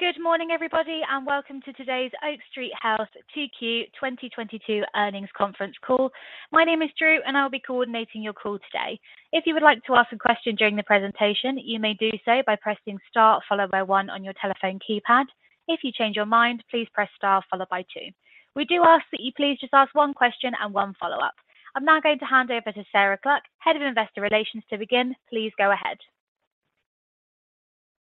Good morning, everybody, and welcome to today's Oak Street Health 2Q 2022 Earnings Conference Call. My name is Drew, and I'll be coordinating your call today. If you would like to ask a question during the presentation, you may do so by pressing star followed by one on your telephone keypad. If you change your mind, please press star followed by two. We do ask that you please just ask one question and one follow-up. I'm now going to hand over to Sarah Cluck, Head of Investor Relations, to begin. Please go ahead.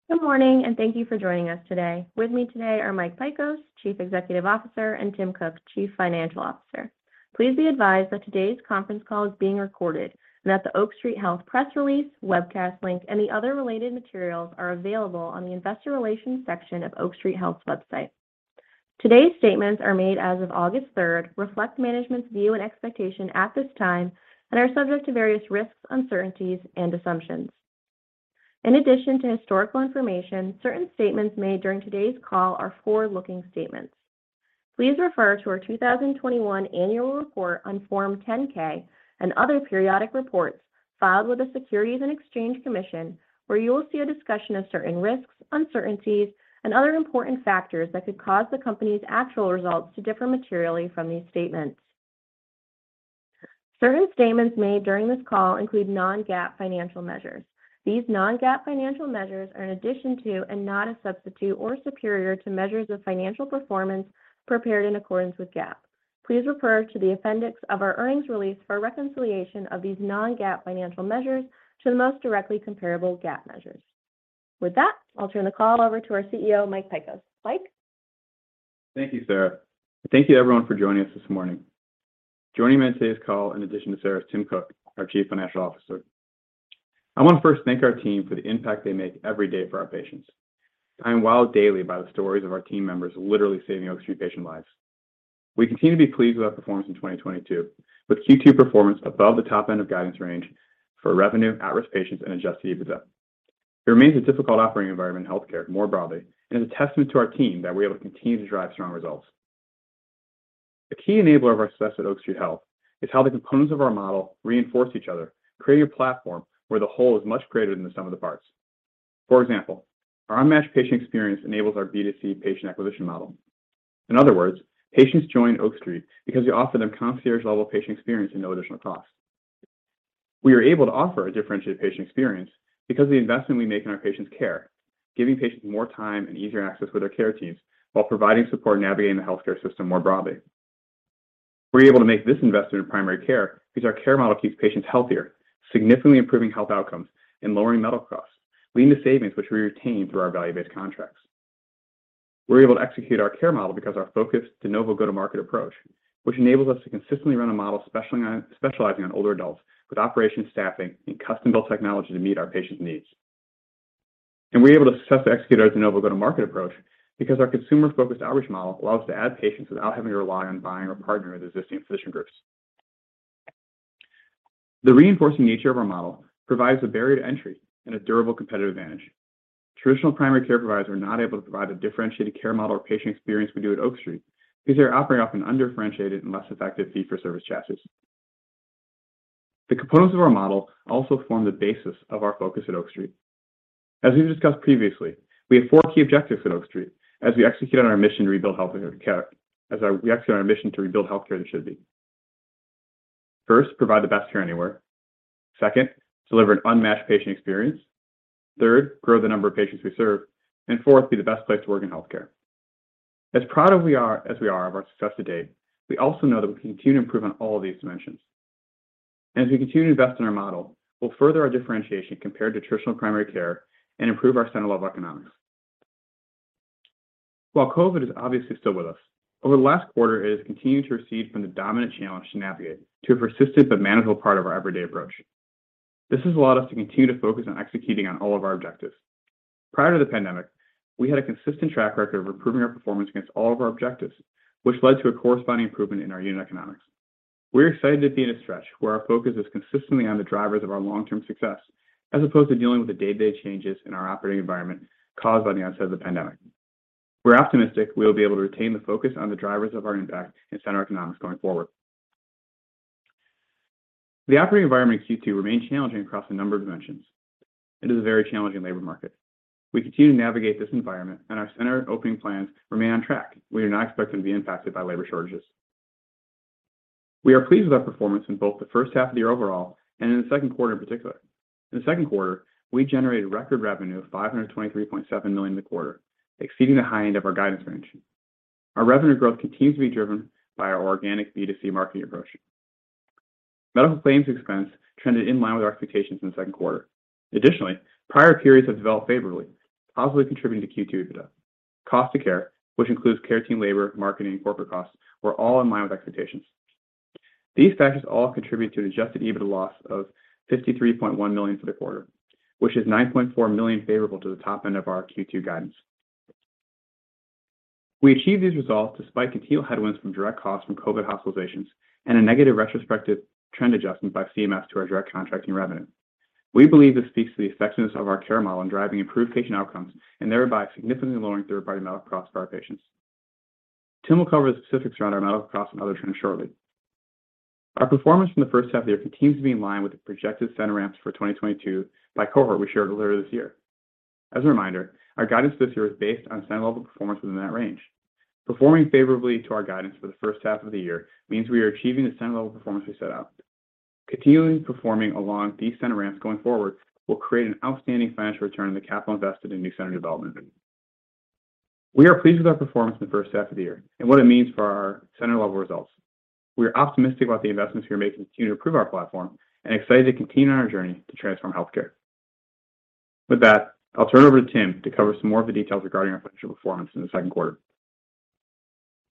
Good morning, and thank you for joining us today. With me today are Michael Pykosz, Chief Executive Officer, and Timothy Cook, Chief Financial Officer. Please be advised that today's conference call is being recorded and that the Oak Street Health press release, webcast link, and the other related materials are available on the Investor Relations section of Oak Street Health's website. Today's statements are made as of August 3rd, reflect management's view and expectation at this time, and are subject to various risks, uncertainties, and assumptions. In addition to historical information, certain statements made during today's call are forward-looking statements. Please refer to our 2021 annual report on Form 10-K and other periodic reports filed with the Securities and Exchange Commission, where you will see a discussion of certain risks, uncertainties, and other important factors that could cause the company's actual results to differ materially from these statements. Certain statements made during this call include non-GAAP financial measures. These non-GAAP financial measures are in addition to and not a substitute or superior to measures of financial performance prepared in accordance with GAAP. Please refer to the appendix of our earnings release for a reconciliation of these non-GAAP financial measures to the most directly comparable GAAP measures. With that, I'll turn the call over to our CEO, Michael Pykosz. Mike? Thank you, Sarah. Thank you everyone for joining us this morning. Joining me on today's call, in addition to Sarah, is Timothy Cook, our Chief Financial Officer. I want to first thank our team for the impact they make every day for our patients. I am wowed daily by the stories of our team members literally saving Oak Street Health patients' lives. We continue to be pleased with our performance in 2022, with Q2 performance above the top end of guidance range for revenue, at-risk patients, and Adjusted EBITDA. It remains a difficult operating environment in healthcare more broadly, and is a testament to our team that we're able to continue to drive strong results. A key enabler of our success at Oak Street Health is how the components of our model reinforce each other, creating a platform where the whole is much greater than the sum of the parts. For example, our unmatched patient experience enables our B2C patient acquisition model. In other words, patients join Oak Street because we offer them concierge-level patient experience at no additional cost. We are able to offer a differentiated patient experience because of the investment we make in our patients' care, giving patients more time and easier access with their care teams while providing support navigating the healthcare system more broadly. We're able to make this investment in primary care because our care model keeps patients healthier, significantly improving health outcomes and lowering medical costs, leading to savings which we retain through our value-based contracts. We're able to execute our care model because our focused de novo go-to-market approach, which enables us to consistently run a model specializing on older adults with operations, staffing, and custom-built technology to meet our patients' needs. We're able to successfully execute our de novo go-to-market approach because our consumer-focused outreach model allows us to add patients without having to rely on buying or partnering with existing physician groups. The reinforcing nature of our model provides a barrier to entry and a durable competitive advantage. Traditional primary care providers are not able to provide a differentiated care model or patient experience we do at Oak Street because they are operating off an undifferentiated and less effective fee-for-service chassis. The components of our model also form the basis of our focus at Oak Street. As we've discussed previously, we have four key objectives at Oak Street as we execute on our mission to rebuild healthcare as it should be. First, provide the best care anywhere. Second, deliver an unmatched patient experience. Third, grow the number of patients we serve. Fourth, be the best place to work in healthcare. As we are of our success to date, we also know that we can continue to improve on all of these dimensions. As we continue to invest in our model, we'll further our differentiation compared to traditional primary care and improve our center level economics. While COVID is obviously still with us, over the last quarter, it has continued to recede from the dominant challenge to navigate to a persistent but manageable part of our everyday approach. This has allowed us to continue to focus on executing on all of our objectives. Prior to the pandemic, we had a consistent track record of improving our performance against all of our objectives, which led to a corresponding improvement in our unit economics. We're excited to be in a stretch where our focus is consistently on the drivers of our long-term success, as opposed to dealing with the day-to-day changes in our operating environment caused by the onset of the pandemic. We're optimistic we'll be able to retain the focus on the drivers of our impact and center economics going forward. The operating environment in Q2 remained challenging across a number of dimensions. It is a very challenging labor market. We continue to navigate this environment, and our center opening plans remain on track. We are not expecting to be impacted by labor shortages. We are pleased with our performance in both the first half of the year overall and in the second quarter in particular. In the second quarter, we generated record revenue of $523.7 million in the quarter, exceeding the high end of our guidance range. Our revenue growth continues to be driven by our organic B2C marketing approach. Medical claims expense trended in line with our expectations in the second quarter. Additionally, prior periods have developed favorably, positively contributing to Q2 EBITDA. Cost of care, which includes care team labor, marketing, corporate costs, were all in line with expectations. These factors all contribute to an Adjusted EBITDA loss of $53.1 million for the quarter, which is $9.4 million favorable to the top end of our Q2 guidance. We achieved these results despite continued headwinds from direct costs from COVID hospitalizations and a negative retrospective trend adjustment by CMS to our direct contracting revenue. We believe this speaks to the effectiveness of our care model in driving improved patient outcomes and thereby significantly lowering third-party medical costs for our patients. Tim will cover the specifics around our medical costs and other trends shortly. Our performance in the first half of the year continues to be in line with the projected center ramps for 2022 by cohort we shared earlier this year. As a reminder, our guidance this year is based on center-level performance within that range. Performing favorably to our guidance for the first half of the year means we are achieving the center-level performance we set out. Continuing performing along these center ramps going forward will create an outstanding financial return on the capital invested in new center development. We are pleased with our performance in the first half of the year and what it means for our center-level results. We are optimistic about the investments we are making to continue to improve our platform and excited to continue on our journey to transform healthcare. With that, I'll turn it over to Tim to cover some more of the details regarding our financial performance in the second quarter.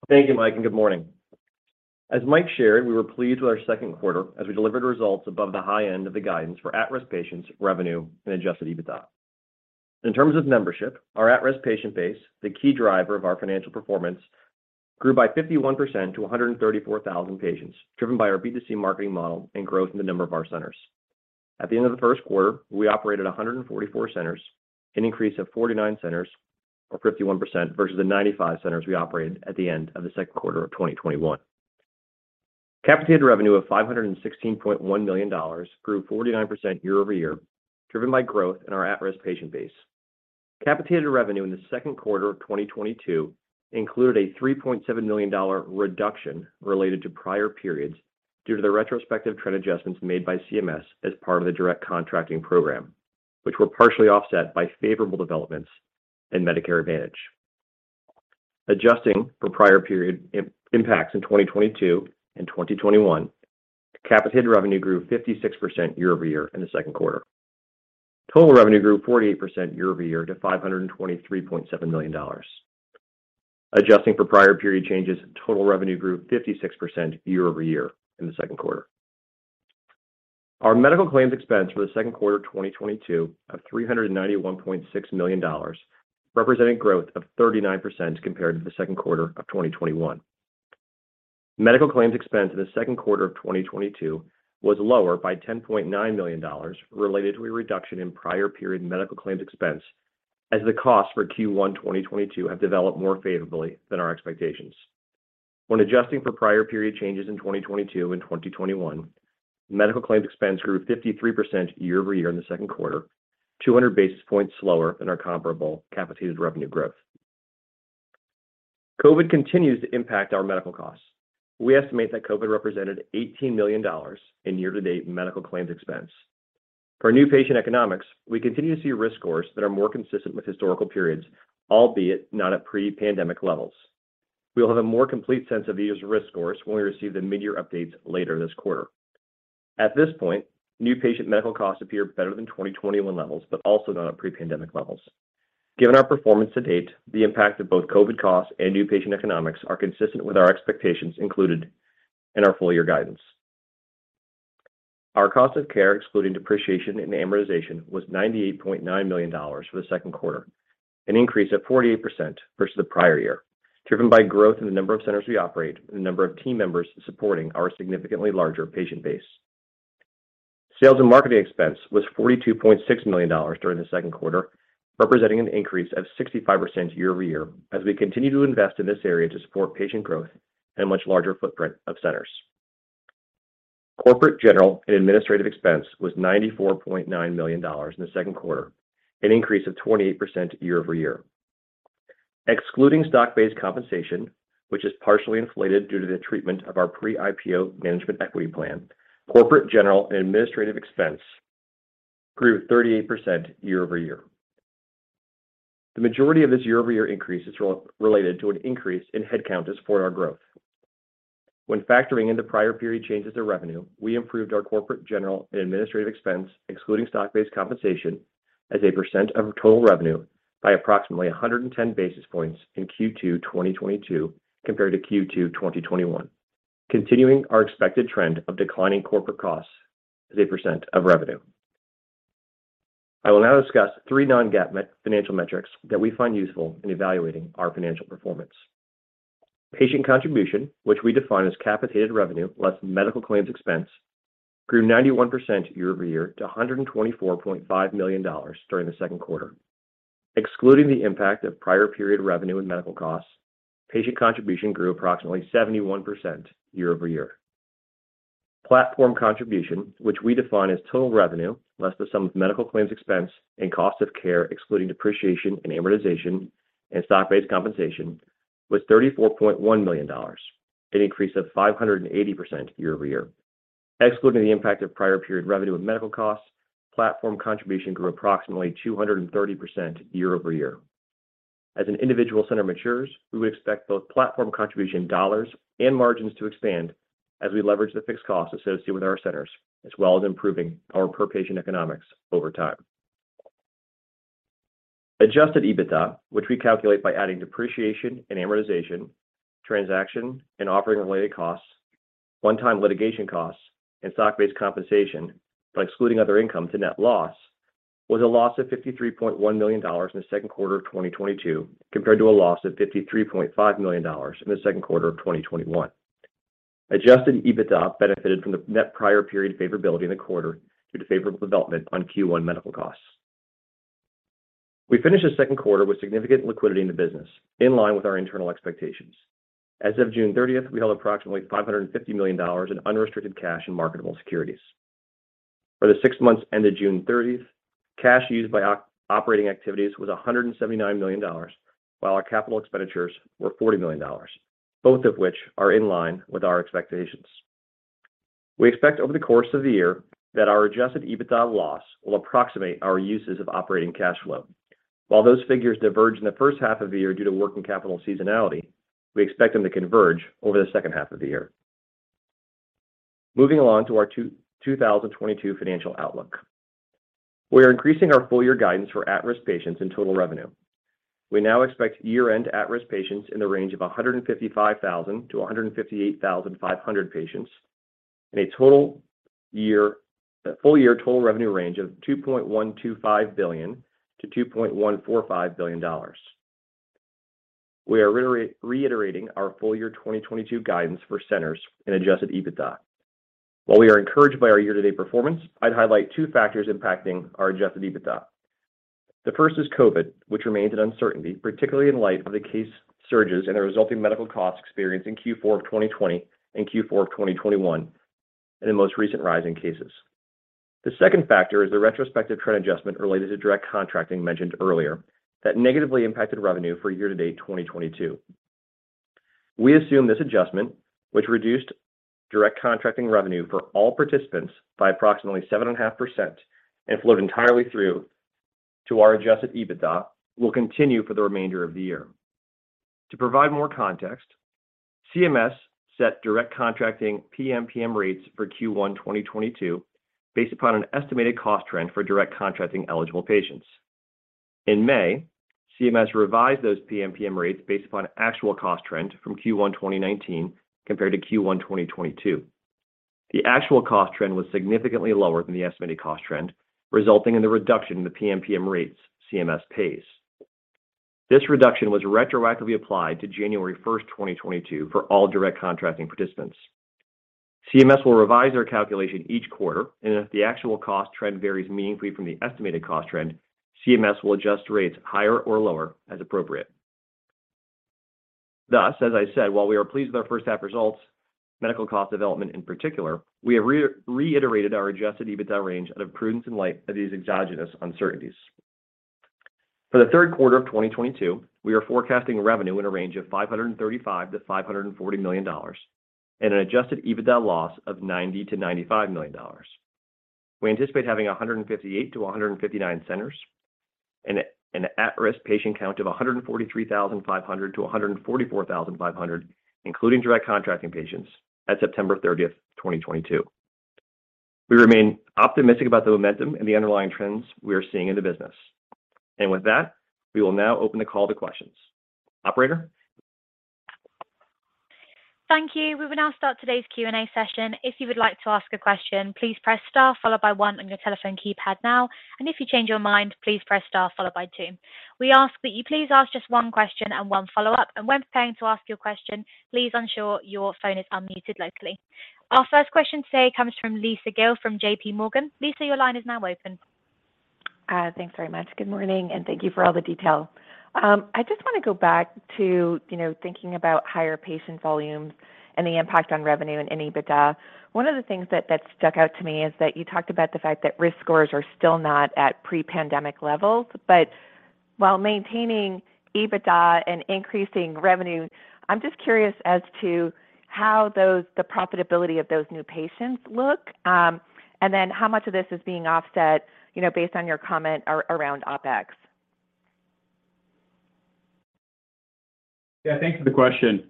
Thank you, Mike, and good morning. As Mike shared, we were pleased with our second quarter as we delivered results above the high end of the guidance for at-risk patients, revenue, and Adjusted EBITDA. In terms of membership, our at-risk patient base, the key driver of our financial performance, grew by 51% to 134,000 patients, driven by our B2C marketing model and growth in the number of our centers. At the end of the first quarter, we operated 144 centers, an increase of 49 centers or 51% versus the 95 centers we operated at the end of the second quarter of 2021. Capitated revenue of $516.1 million grew 49% year-over-year, driven by growth in our at-risk patient base. Capitated revenue in the second quarter of 2022 included a $3.7 million reduction related to prior periods due to the retrospective trend adjustments made by CMS as part of the Direct Contracting program, which were partially offset by favorable developments in Medicare Advantage. Adjusting for prior period impacts in 2022 and 2021, capitated revenue grew 56% year-over-year in the second quarter. Total revenue grew 48% year-over-year to $523.7 million. Adjusting for prior period changes, total revenue grew 56% year-over-year in the second quarter. Our medical claims expense for the second quarter of 2022 was $391.6 million, representing growth of 39% compared to the second quarter of 2021. Medical claims expense in the second quarter of 2022 was lower by $10.9 million related to a reduction in prior period medical claims expense as the cost for Q1 2022 have developed more favorably than our expectations. When adjusting for prior period changes in 2022 and 2021, medical claims expense grew 53% year-over-year in the second quarter, 200 basis points slower than our comparable capitated revenue growth. COVID continues to impact our medical costs. We estimate that COVID represented $18 million in year-to-date medical claims expense. For new patient economics, we continue to see risk scores that are more consistent with historical periods, albeit not at pre-pandemic levels. We will have a more complete sense of the user's risk scores when we receive the mid-year updates later this quarter. At this point, new patient medical costs appear better than 2021 levels, but also not at pre-pandemic levels. Given our performance to date, the impact of both COVID costs and new patient economics are consistent with our expectations included in our full year guidance. Our cost of care, excluding depreciation and amortization, was $98.9 million for the second quarter, an increase of 48% versus the prior year, driven by growth in the number of centers we operate and the number of team members supporting our significantly larger patient base. Sales and marketing expense was $42.6 million during the second quarter, representing an increase of 65% year-over-year as we continue to invest in this area to support patient growth and a much larger footprint of centers. Corporate, general, and administrative expense was $94.9 million in the second quarter, an increase of 28% year over year. Excluding stock-based compensation, which is partially inflated due to the treatment of our pre-IPO management equity plan, corporate, general, and administrative expense grew 38% year over year. The majority of this year-over-year increase is related to an increase in head count to support our growth. When factoring into prior period changes in revenue, we improved our corporate, general, and administrative expense, excluding stock-based compensation as a percent of total revenue by approximately 110 basis points in Q2 2022 compared to Q2 2021, continuing our expected trend of declining corporate costs as a percent of revenue. I will now discuss three non-GAAP financial metrics that we find useful in evaluating our financial performance. Patient Contribution, which we define as capitated revenue less medical claims expense, grew 91% year-over-year to $124.5 million during the second quarter. Excluding the impact of prior period revenue and medical costs, Patient Contribution grew approximately 71% year-over-year. Platform Contribution, which we define as total revenue less the sum of medical claims expense and cost of care, excluding depreciation and amortization and stock-based compensation, was $34.1 million, an increase of 580% year-over-year. Excluding the impact of prior period revenue and medical costs, Platform Contribution grew approximately 230% year-over-year. As an individual center matures, we would expect both Platform Contribution dollars and margins to expand as we leverage the fixed costs associated with our centers, as well as improving our per-patient economics over time. Adjusted EBITDA, which we calculate by adding depreciation and amortization, transaction and operating-related costs, one-time litigation costs, and stock-based compensation by excluding other income to net loss, was a loss of $53.1 million in the second quarter of 2022, compared to a loss of $53.5 million in the second quarter of 2021. Adjusted EBITDA benefited from the net prior period favorability in the quarter due to favorable development on Q1 medical costs. We finished the second quarter with significant liquidity in the business, in line with our internal expectations. As of June thirtieth, we held approximately $550 million in unrestricted cash and marketable securities. For the six months ended June 30, cash used by operating activities was $179 million, while our capital expenditures were $40 million, both of which are in line with our expectations. We expect over the course of the year that our Adjusted EBITDA loss will approximate our uses of operating cash flow. While those figures diverge in the first half of the year due to working capital seasonality, we expect them to converge over the second half of the year. Moving along to our 2022 financial outlook. We are increasing our full year guidance for at-risk patients and total revenue. We now expect year-end at-risk patients in the range of 155,000-158,500 patients, and a total year... Full year total revenue range of $2.125 billion-$2.145 billion. We are reiterating our full year 2022 guidance for centers in Adjusted EBITDA. While we are encouraged by our year-to-date performance, I'd highlight two factors impacting our Adjusted EBITDA. The first is COVID, which remains an uncertainty, particularly in light of the case surges and the resulting medical costs experienced in Q4 of 2020 and Q4 of 2021, and in most recent rise in cases. The second factor is the retrospective trend adjustment related to Direct Contracting mentioned earlier that negatively impacted revenue for year-to-date 2022. We assume this adjustment, which reduced Direct Contracting revenue for all participants by approximately 7.5% and flowed entirely through to our adjusted EBITDA, will continue for the remainder of the year. To provide more context, CMS set direct contracting PMPM rates for Q1 2022 based upon an estimated cost trend for direct contracting eligible patients. In May, CMS revised those PMPM rates based upon actual cost trend from Q1 2019 compared to Q1 2022. The actual cost trend was significantly lower than the estimated cost trend, resulting in the reduction in the PMPM rates CMS pays. This reduction was retroactively applied to January 1st, 2022 for all direct contracting participants. CMS will revise their calculation each quarter, and if the actual cost trend varies meaningfully from the estimated cost trend, CMS will adjust rates higher or lower as appropriate. Thus, as I said, while we are pleased with our first half results, medical cost development in particular, we have reiterated our Adjusted EBITDA range out of prudence in light of these exogenous uncertainties. For the third quarter of 2022, we are forecasting revenue in a range of $535 million-$540 million and an Adjusted EBITDA loss of $90 million-$95 million. We anticipate having 158-159 centers and an at-risk patient count of 143,500-144,500, including Direct Contracting patients at September 30, 2022. We remain optimistic about the momentum and the underlying trends we are seeing in the business. With that, we will now open the call to questions. Operator? Thank you. We will now start today's Q&A session. If you would like to ask a question, please press star followed by one on your telephone keypad now, and if you change your mind, please press star followed by two. We ask that you please ask just one question and one follow-up, and when preparing to ask your question, please ensure your phone is unmuted locally. Our first question today comes from Lisa Gill from J.P. Morgan. Lisa, your line is now open. Thanks very much. Good morning, and thank you for all the detail. I just wanna go back to, you know, thinking about higher patient volumes and the impact on revenue and in EBITDA. One of the things that stuck out to me is that you talked about the fact that risk scores are still not at pre-pandemic levels. While maintaining EBITDA and increasing revenue, I'm just curious as to how those, the profitability of those new patients look, and then how much of this is being offset, you know, based on your comment around OpEx. Yeah. Thank you for the question.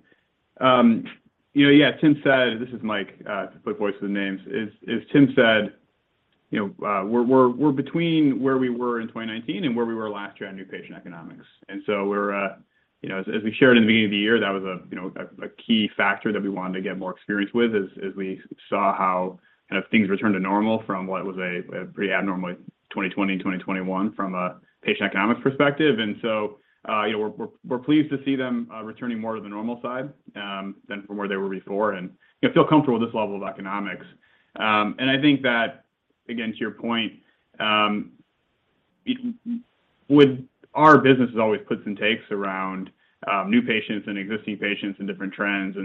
You know, yeah, Tim said. This is Mike to put voices and names. As Tim said, you know, we're between where we were in 2019 and where we were last year on new patient economics. We're pleased to see them returning more to the normal side than from where they were before and feel comfortable with this level of economics. I think that, again, to your point, with our business, there's always puts and takes around, new patients and existing patients and different trends.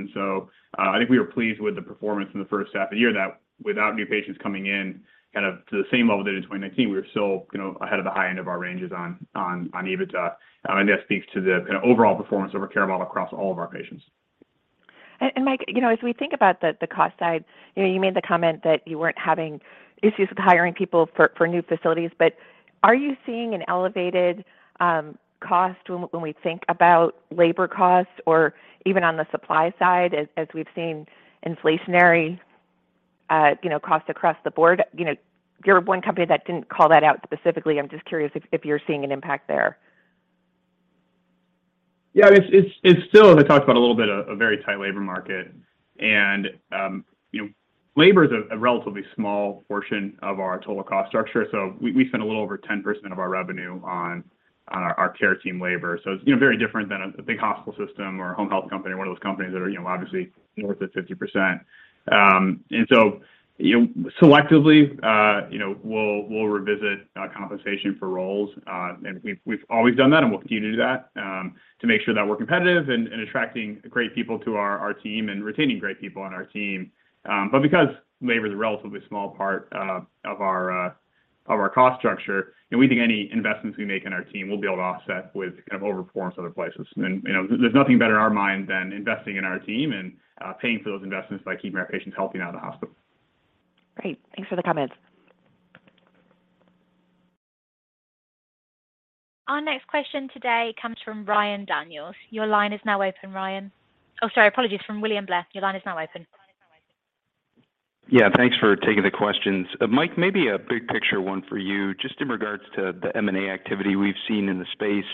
I think we were pleased with the performance in the first half of the year that without new patients coming in kind of to the same level that in 2019, we were still, you know, ahead of the high end of our ranges on EBITDA. That speaks to the kinda overall performance of our care model across all of our patients. Mike, you know, as we think about the cost side, you know, you made the comment that you weren't having issues with hiring people for new facilities. Are you seeing an elevated cost when we think about labor costs or even on the supply side as we've seen inflationary, you know, costs across the board? You know, you're one company that didn't call that out specifically. I'm just curious if you're seeing an impact there. Yeah. It's still, as I talked about a little bit, a very tight labor market. You know, labor is a relatively small portion of our total cost structure. We spend a little over 10% of our revenue on Our care team labor. It's, you know, very different than a big hospital system or a home health company, one of those companies that are, you know, obviously north of 50%. You know, selectively, you know, we'll revisit compensation for roles. We've always done that, and we'll continue to do that, to make sure that we're competitive and attracting great people to our team and retaining great people on our team. Because labor is a relatively small part of our cost structure and we think any investments we make in our team will be able to offset with kind of over performance other places. You know, there's nothing better in our mind than investing in our team and paying for those investments by keeping our patients healthy out of the hospital. Great. Thanks for the comments. Our next question today comes from Ryan Daniels. Your line is now open, Ryan. Oh, sorry. Apologies. From William Blair. Your line is now open. Yeah, thanks for taking the questions. Mike, maybe a big picture one for you, just in regards to the M&A activity we've seen in the space.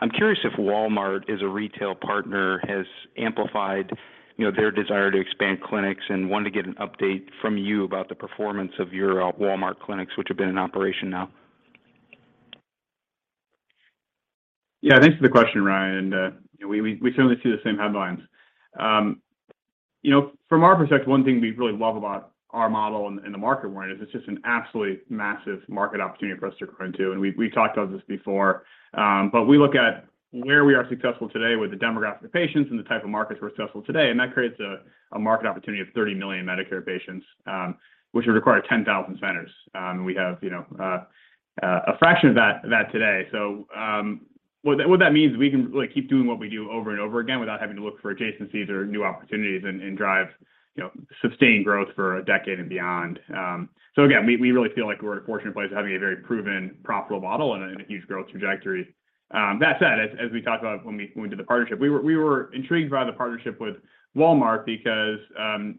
I'm curious if Walmart as a retail partner has amplified, you know, their desire to expand clinics, and wanted to get an update from you about the performance of your Walmart clinics, which have been in operation now. Yeah, thanks for the question, Ryan. You know, we certainly see the same headlines. You know, from our perspective, one thing we really love about our model and the market we're in is it's just an absolutely massive market opportunity for us to grow into. We talked about this before, but we look at where we are successful today with the demographic of patients and the type of markets we're successful today, and that creates a market opportunity of 30 million Medicare patients, which would require 10,000 centers. We have, you know, a fraction of that today. What that means is we can like keep doing what we do over and over again without having to look for adjacencies or new opportunities and drive, you know, sustained growth for a decade and beyond. Again, we really feel like we're in a fortunate place of having a very proven profitable model and a huge growth trajectory. That said, as we talked about when we did the partnership, we were intrigued by the partnership with Walmart because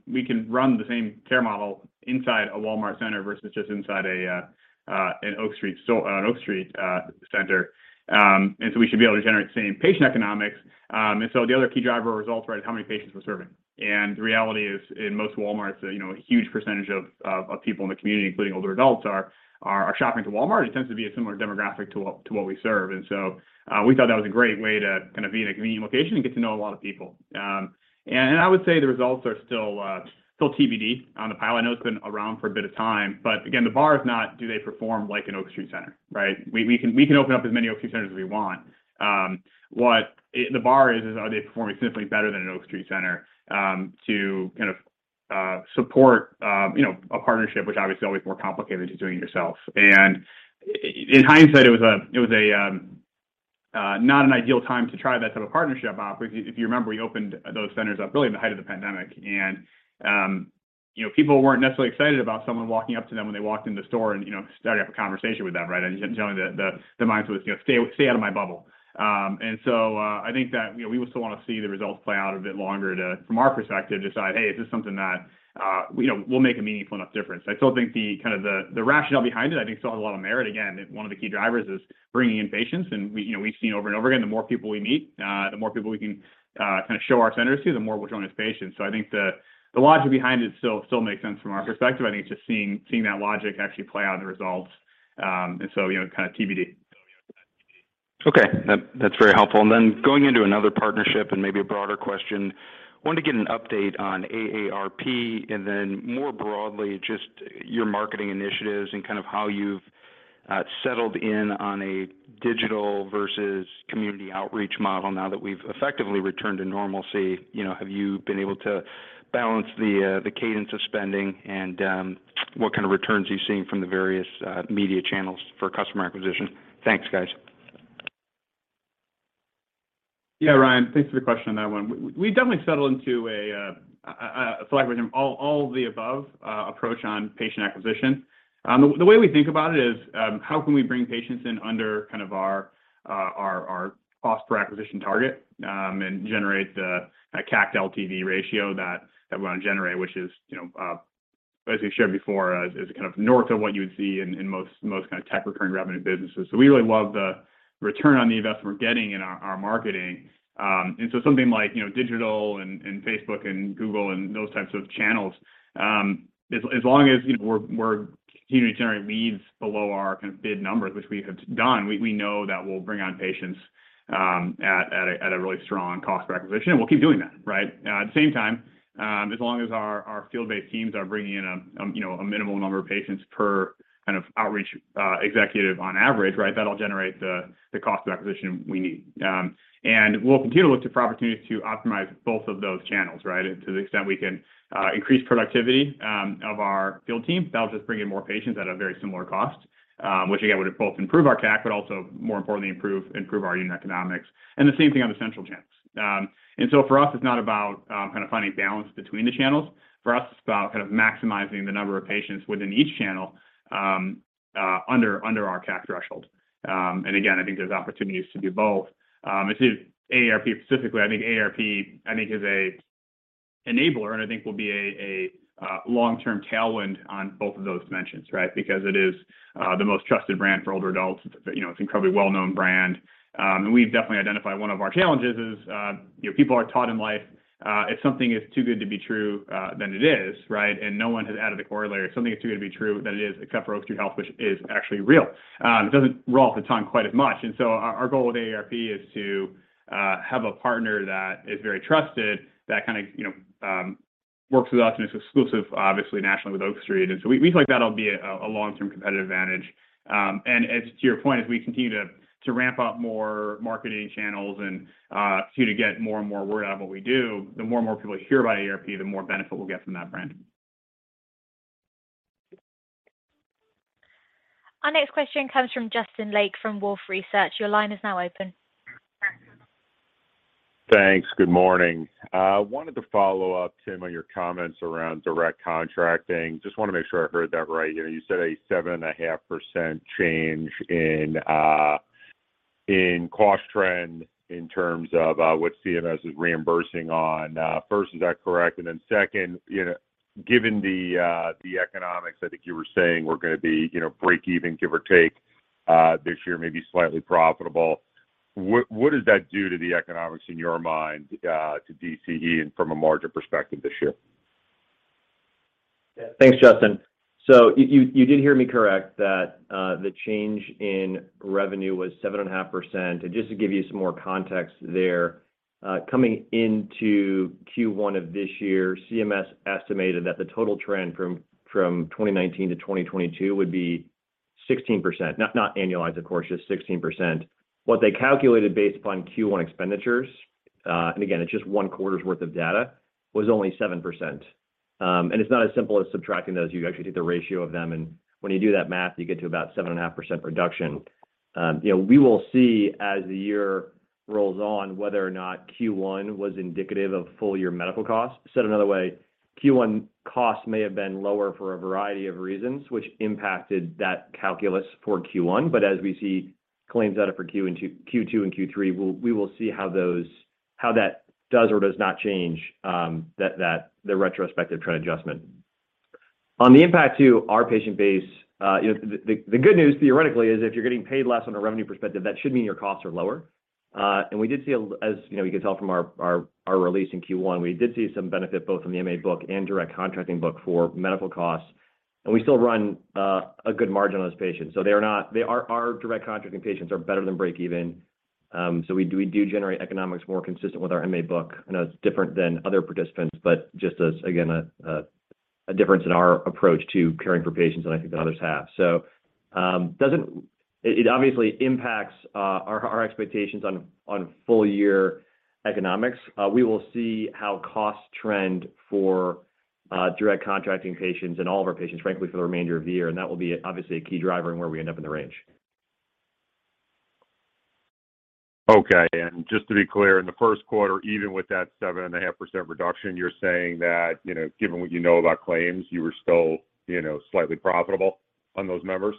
we can run the same care model inside a Walmart center versus just inside an Oak Street Center. We should be able to generate the same patient economics. The other key driver of results, right, is how many patients we're serving. The reality is, in most Walmart, you know, a huge percentage of people in the community, including older adults are shopping at Walmart. It tends to be a similar demographic to what we serve. We thought that was a great way to kind of be in a convenient location and get to know a lot of people. I would say the results are still TBD on the pilot. I know it's been around for a bit of time, but again, the bar is not, do they perform like an Oak Street Center, right? We can open up as many Oak Street Centers as we want. What the bar is, are they performing significantly better than an Oak Street center, to kind of support, you know, a partnership, which obviously always more complicated than doing it yourself. In hindsight, it was not an ideal time to try that type of partnership out. If you remember, we opened those centers up really in the height of the pandemic and, you know, people weren't necessarily excited about someone walking up to them when they walked into the store and, you know, starting up a conversation with them, right? Generally the mindset was, you know, "Stay out of my bubble." I think that, you know, we would still wanna see the results play out a bit longer to, from our perspective, decide, hey, is this something that, you know, will make a meaningful enough difference? I still think the kind of rationale behind it still has a lot of merit. Again, one of the key drivers is bringing in patients and we, you know, we've seen over and over again, the more people we meet, the more people we can kind of show our centers to, the more we'll join as patients. I think the logic behind it still makes sense from our perspective. I think it's just seeing that logic actually play out in the results. You know, kind of TBD. Okay. That's very helpful. Then going into another partnership and maybe a broader question, wanted to get an update on AARP and then more broadly just your marketing initiatives and kind of how you've settled in on a digital versus community outreach model now that we've effectively returned to normalcy. You know, have you been able to balance the cadence of spending and what kind of returns are you seeing from the various media channels for customer acquisition? Thanks, guys. Yeah, Ryan, thanks for the question on that one. We definitely settled into an all-the-above approach on patient acquisition. The way we think about it is how can we bring patients in under kind of our cost per acquisition target and generate that CAC/LTV ratio that we wanna generate, which is, you know, as we've shared before, kind of north of what you would see in most tech recurring revenue businesses. We really love the return on the investment we're getting in our marketing. Something like, you know, digital and Facebook and Google and those types of channels, as long as, you know, we're continuing to generate leads below our kind of bid numbers, which we have done, we know that we'll bring on patients at a really strong cost per acquisition, and we'll keep doing that, right? At the same time, as long as our field-based teams are bringing in a you know a minimal number of patients per kind of outreach executive on average, right? That'll generate the cost per acquisition we need. We'll continue to look for opportunities to optimize both of those channels, right? To the extent we can increase productivity of our field team, that'll just bring in more patients at a very similar cost, which again, would both improve our CAC, but also more importantly, improve our unit economics and the same thing on the central channels. For us, it's not about kind of finding balance between the channels. For us, it's about kind of maximizing the number of patients within each channel under our CAC threshold. I think there's opportunities to do both. As to AARP specifically, I think AARP, I think is an enabler and I think will be a long-term tailwind on both of those mentions, right? Because it is the most trusted brand for older adults. You know, it's incredibly well-known brand. We've definitely identified one of our challenges is, you know, people are taught in life, if something is too good to be true, then it is, right? No one has added a corollary or something is too good to be true than it is, except for Oak Street Health, which is actually real. It doesn't roll off the tongue quite as much. Our goal with AARP is to have a partner that is very trusted, that kind of, you know, works with us and it's exclusive, obviously, nationally with Oak Street. We feel like that'll be a long-term competitive advantage. As to your point, as we continue to ramp up more marketing channels and continue to get more and more word out about what we do, the more and more people hear about AARP, the more benefit we'll get from that brand. Our next question comes from Justin Lake from Wolfe Research. Your line is now open. Thanks. Good morning. Wanted to follow up, Tim, on your comments around Direct Contracting. Just wanna make sure I heard that right. You know, you said a 7.5% change in cost trend in terms of what CMS is reimbursing on. First, is that correct? Second, you know, given the economics, I think you were saying we're gonna be, you know, break even, give or take, this year, maybe slightly profitable. What does that do to the economics in your mind, to DCE and from a margin perspective this year? Yeah. Thanks, Justin. You did hear me correct that, the change in revenue was 7.5%. Just to give you some more context there, coming into Q1 of this year, CMS estimated that the total trend from 2019 to 2022 would be 16%. Not annualized of course, just 16%. What they calculated based upon Q1 expenditures, and again, it's just one quarter's worth of data, was only 7%. It's not as simple as subtracting those. You actually take the ratio of them, and when you do that math, you get to about 7.5% reduction. You know, we will see as the year rolls on whether or not Q1 was indicative of full year medical costs. Said another way, Q1 costs may have been lower for a variety of reasons, which impacted that calculus for Q1. As we see claims data for Q2 and Q3, we will see how that does or does not change that the retrospective trend adjustment. On the impact to our patient base, you know, the good news theoretically is if you're getting paid less on a revenue perspective, that should mean your costs are lower. We did see, you know, you could tell from our release in Q1, we did see some benefit both from the MA book and Direct Contracting book for medical costs, and we still run a good margin on those patients. Our Direct Contracting patients are better than break even. We do generate economics more consistent with our MA book. I know it's different than other participants, but just as, again, a difference in our approach to caring for patients than I think that others have. It obviously impacts our expectations on full year economics. We will see how costs trend for Direct Contracting patients and all of our patients, frankly, for the remainder of the year, and that will be obviously a key driver in where we end up in the range. Okay. Just to be clear, in the first quarter, even with that 7.5% reduction, you're saying that, you know, given what you know about claims, you were still, you know, slightly profitable on those members?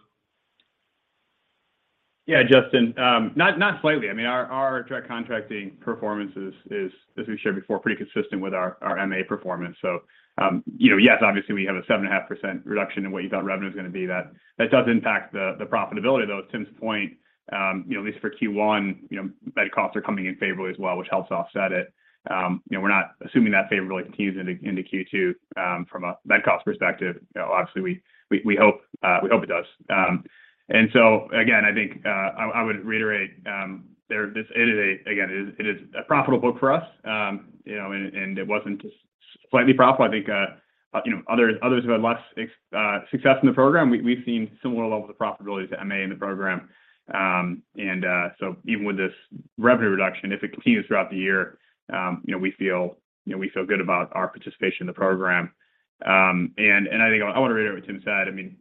Yeah, Justin. Not slightly. I mean, our Direct Contracting performance is, as we shared before, pretty consistent with our MA performance. You know, yes, obviously we have a 7.5% reduction in what you thought revenue was gonna be. That does impact the profitability, though. To Tim's point, you know, at least for Q1, you know, med costs are coming in favorably as well, which helps offset it. You know, we're not assuming that favor really continues into Q2, from a med cost perspective. You know, obviously, we hope it does. Again, I think, I would reiterate, this. It is a, again, it is a profitable book for us. You know, it wasn't just slightly profitable. I think, you know, others who had less success in the program, we've seen similar levels of profitability to MA in the program. Even with this revenue reduction, if it continues throughout the year, you know, we feel good about our participation in the program. I think I wanna reiterate what Tim said. I mean,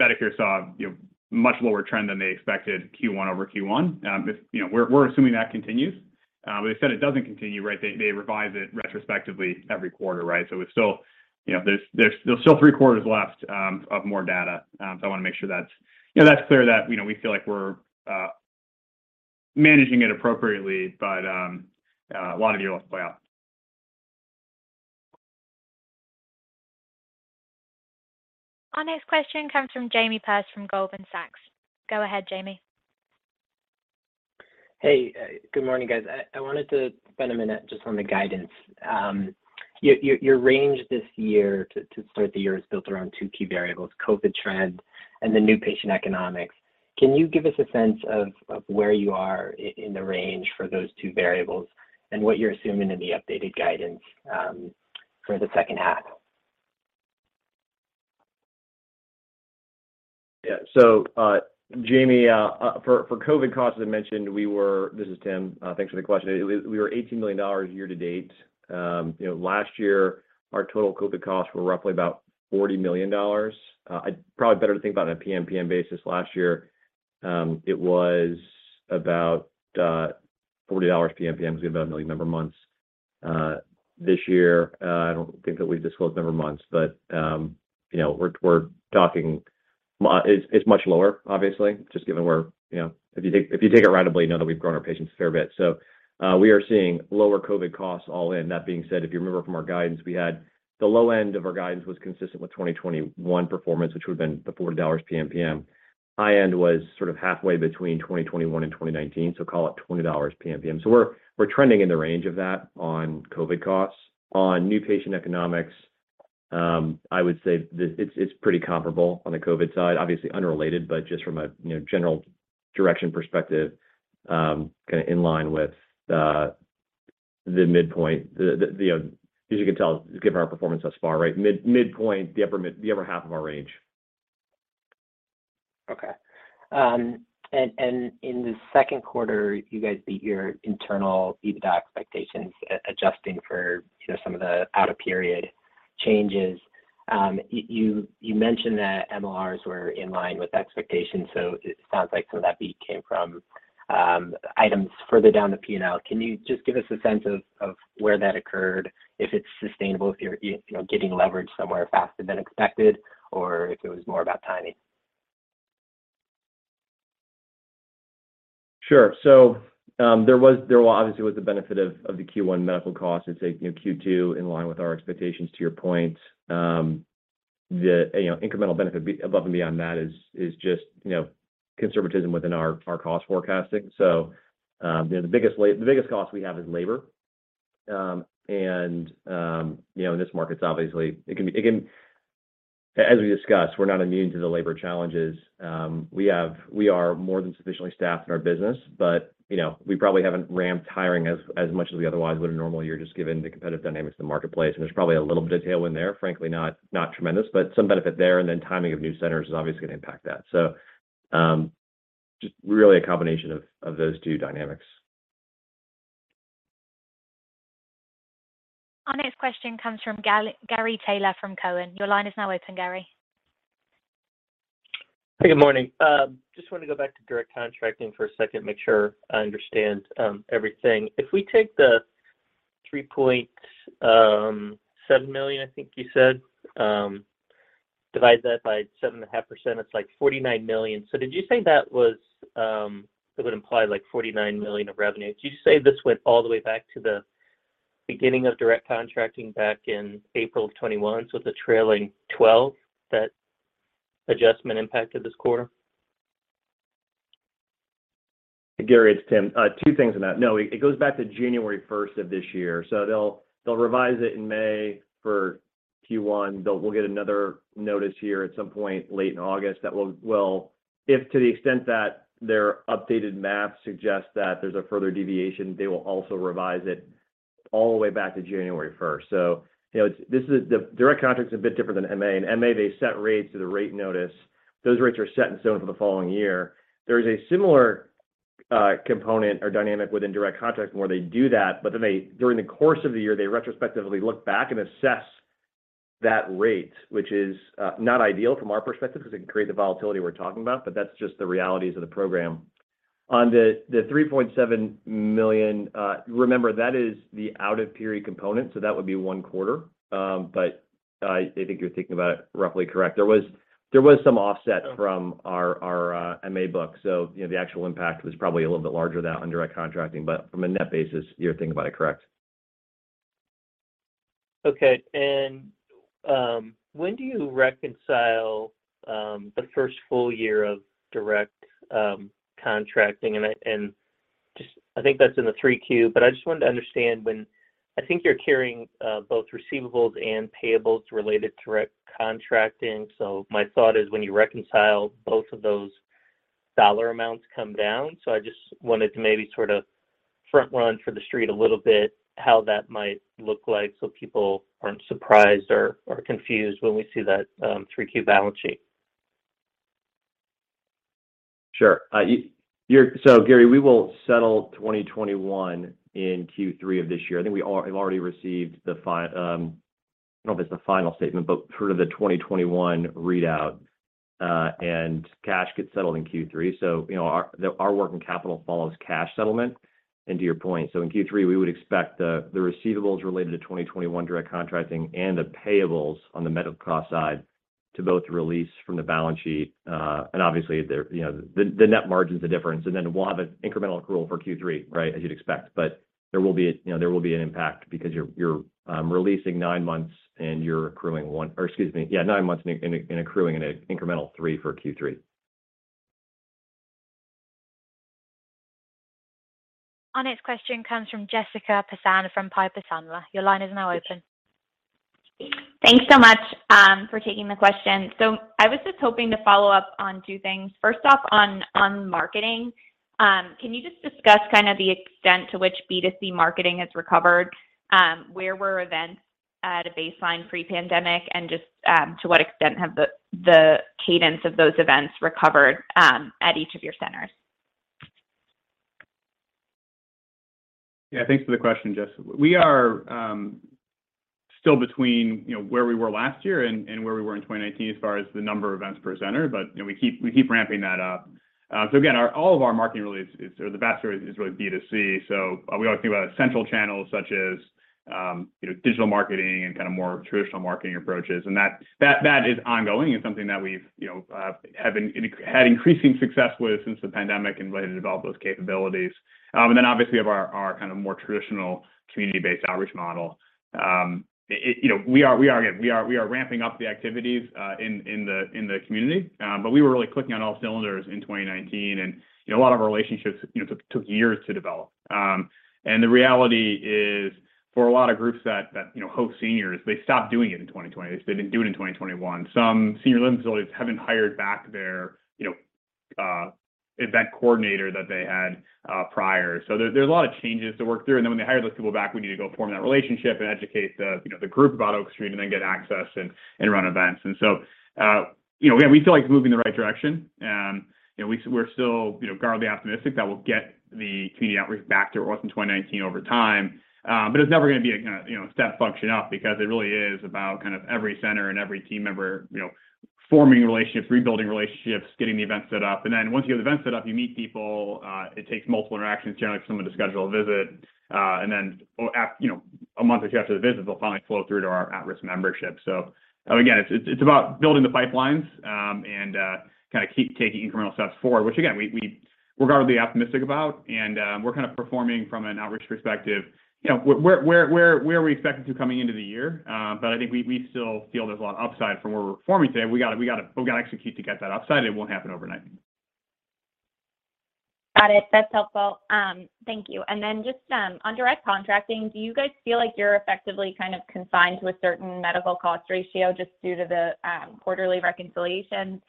Medicare saw, you know, much lower trend than they expected Q1 over Q1. You know, we're assuming that continues. They said it doesn't continue, right? They revise it retrospectively every quarter, right? You know, there's still three quarters left of more data. I wanna make sure that's clear that, you know, we feel like we're managing it appropriately. A lot of you all to play out. Our next question comes from Jamie Perse from Goldman Sachs. Go ahead, Jamie. Hey. Good morning, guys. I wanted to spend a minute just on the guidance. Your range this year to start the year is built around two key variables, COVID trends and the new patient economics. Can you give us a sense of where you are in the range for those two variables and what you're assuming in the updated guidance, for the second half? Jamie, for COVID costs, as I mentioned. This is Tim. Thanks for the question. We were $18 million year to date. You know, last year our total COVID costs were roughly about $40 million. It'd probably better to think about it on a PMPM basis. Last year, it was about $40 PMPM 'cause we had about 1 million member months. This year, I don't think that we've disclosed member months, but you know, it's much lower obviously, just given we're you know. If you take it ratably, you know that we've grown our patients a fair bit. We are seeing lower COVID costs all in. That being said, if you remember from our guidance, we had the low end of our guidance was consistent with 2021 performance, which would have been the $40 PMPM. High end was sort of halfway between 2021 and 2019, so call it $20 PMPM. We're trending in the range of that on COVID costs. On new patient economics, I would say that it's pretty comparable on the COVID side, obviously unrelated, but just from a you know general direction perspective, kinda in line with the midpoint. You know, as you can tell, given our performance thus far, right? Midpoint, the upper half of our range. Okay. In the second quarter, you guys beat your internal EBITDA expectations, adjusting for, you know, some of the out of period changes. You mentioned that MLRs were in line with expectations, so it sounds like some of that beat came from items further down the P&L. Can you just give us a sense of where that occurred, if it's sustainable, if you're, you know, getting leverage somewhere faster than expected, or if it was more about timing? Sure. There obviously was the benefit of the Q1 medical costs. It's, you know, Q2 in line with our expectations to your point. The incremental benefit above and beyond that is just conservatism within our cost forecasting. You know, the biggest cost we have is labor. In these markets, obviously, it can be. As we discussed, we're not immune to the labor challenges. We are more than sufficiently staffed in our business, but, you know, we probably haven't ramped hiring as much as we otherwise would in a normal year, just given the competitive dynamics of the marketplace. There's probably a little bit of tailwind there, frankly, not tremendous, but some benefit there. Timing of new centers is obviously going to impact that. Just really a combination of those two dynamics. Our next question comes from Gary Taylor from Cowen. Your line is now open, Gary. Hey, good morning. Just wanted to go back to Direct Contracting for a second, make sure I understand everything. If we take the $3.7 million, I think you said, divide that by 7.5%, it's like $49 million. So did you say it would imply like $49 million of revenue. Did you say this went all the way back to the beginning of Direct Contracting back in April of 2021, so the trailing twelve that adjustment impacted this quarter? Gary, it's Tim. Two things on that. No, it goes back to January 1st of this year. They'll revise it in May for Q1. We'll get another notice here at some point late in August that will, if to the extent that their updated math suggests that there's a further deviation, they will also revise it all the way back to January first. You know, Direct Contracting's a bit different than MA. In MA, they set rates to the rate notice. Those rates are set in stone for the following year. There is a similar component or dynamic within Direct Contracting where they do that, but then they during the course of the year they retrospectively look back and assess that rate, which is not ideal from our perspective because it can create the volatility we're talking about, but that's just the realities of the program. On the $3.7 million, remember, that is the out-of-period component, so that would be one quarter. I think you're thinking about it roughly correct. There was some offset from our MA book. You know, the actual impact was probably a little bit larger than that on Direct Contracting, but from a net basis, you're thinking about it correct. Okay. When do you reconcile the first full year of Direct Contracting? I just think that's in the 3Q. I just wanted to understand when I think you're carrying both receivables and payables related to Direct Contracting. My thought is when you reconcile, both of those dollar amounts come down. I just wanted to maybe sort of front run for the street a little bit how that might look like so people aren't surprised or confused when we see that 3Q balance sheet. Sure. Gary, we will settle 2021 in Q3 of this year. I think we have already received the, I don't know if it's the final statement, but sort of the 2021 readout, and cash gets settled in Q3. You know, our working capital follows cash settlement, and to your point. In Q3, we would expect the receivables related to 2021 Direct Contracting and the payables on the medical cost side to both release from the balance sheet. Obviously, you know, the net margin's the difference. Then we'll have an incremental accrual for Q3, right, as you'd expect. There will be an impact because you're releasing nine-months and you're accruing one. Or excuse me. Yeah, nine months in, accruing an incremental three for Q3. Our next question comes from Jessica Tassan from Piper Sandler. Your line is now open. Thanks so much for taking the question. I was just hoping to follow up on two things. First off, on marketing, can you just discuss kind of the extent to which B2C marketing has recovered? Where were events at a baseline pre-pandemic, and just to what extent have the cadence of those events recovered at each of your centers? Yeah, thanks for the question, Jess. We are still between, you know, where we were last year and where we were in 2019 as far as the number of events per center. You know, we keep ramping that up. Again, all of our marketing really is, or the vast majority is really B2C. We always think about central channels such as, you know, digital marketing and kind of more traditional marketing approaches. That is ongoing and something that we've, you know, have been having increasing success with since the pandemic and really developed those capabilities. Then obviously, we have our kind of more traditional community-based outreach model. You know, we are ramping up the activities in the community. We were really clicking on all cylinders in 2019 and, you know, a lot of our relationships, you know, took years to develop. The reality is for a lot of groups that, you know, host seniors, they stopped doing it in 2020. They didn't do it in 2021. Some senior living facilities haven't hired back their, you know, event coordinator that they had prior. There's a lot of changes to work through. Then when they hire those people back, we need to go form that relationship and educate the, you know, the group about Oak Street and then get access and run events. You know, yeah, we feel like we're moving in the right direction. You know, we're still, you know, guardedly optimistic that we'll get the community outreach back to where it was in 2019 over time. But it's never gonna be a kind of, you know, step function up because it really is about kind of every center and every team member, you know, forming relationships, rebuilding relationships, getting the event set up. Then once you have the event set up, you meet people. It takes multiple interactions, generally for someone to schedule a visit, and then, you know, a month or two after the visit, they'll finally flow through to our at-risk membership. Again, it's about building the pipelines and kinda keep taking incremental steps forward, which again, we're guardedly optimistic about and, we're kind of performing from an outreach perspective, you know, where we expected to coming into the year. I think we still feel there's a lot of upside from where we're performing today. We gotta execute to get that upside. It won't happen overnight. Got it. That's helpful. Thank you. Just on Direct Contracting, do you guys feel like you're effectively kind of confined to a certain medical cost ratio just due to the quarterly reconciliation?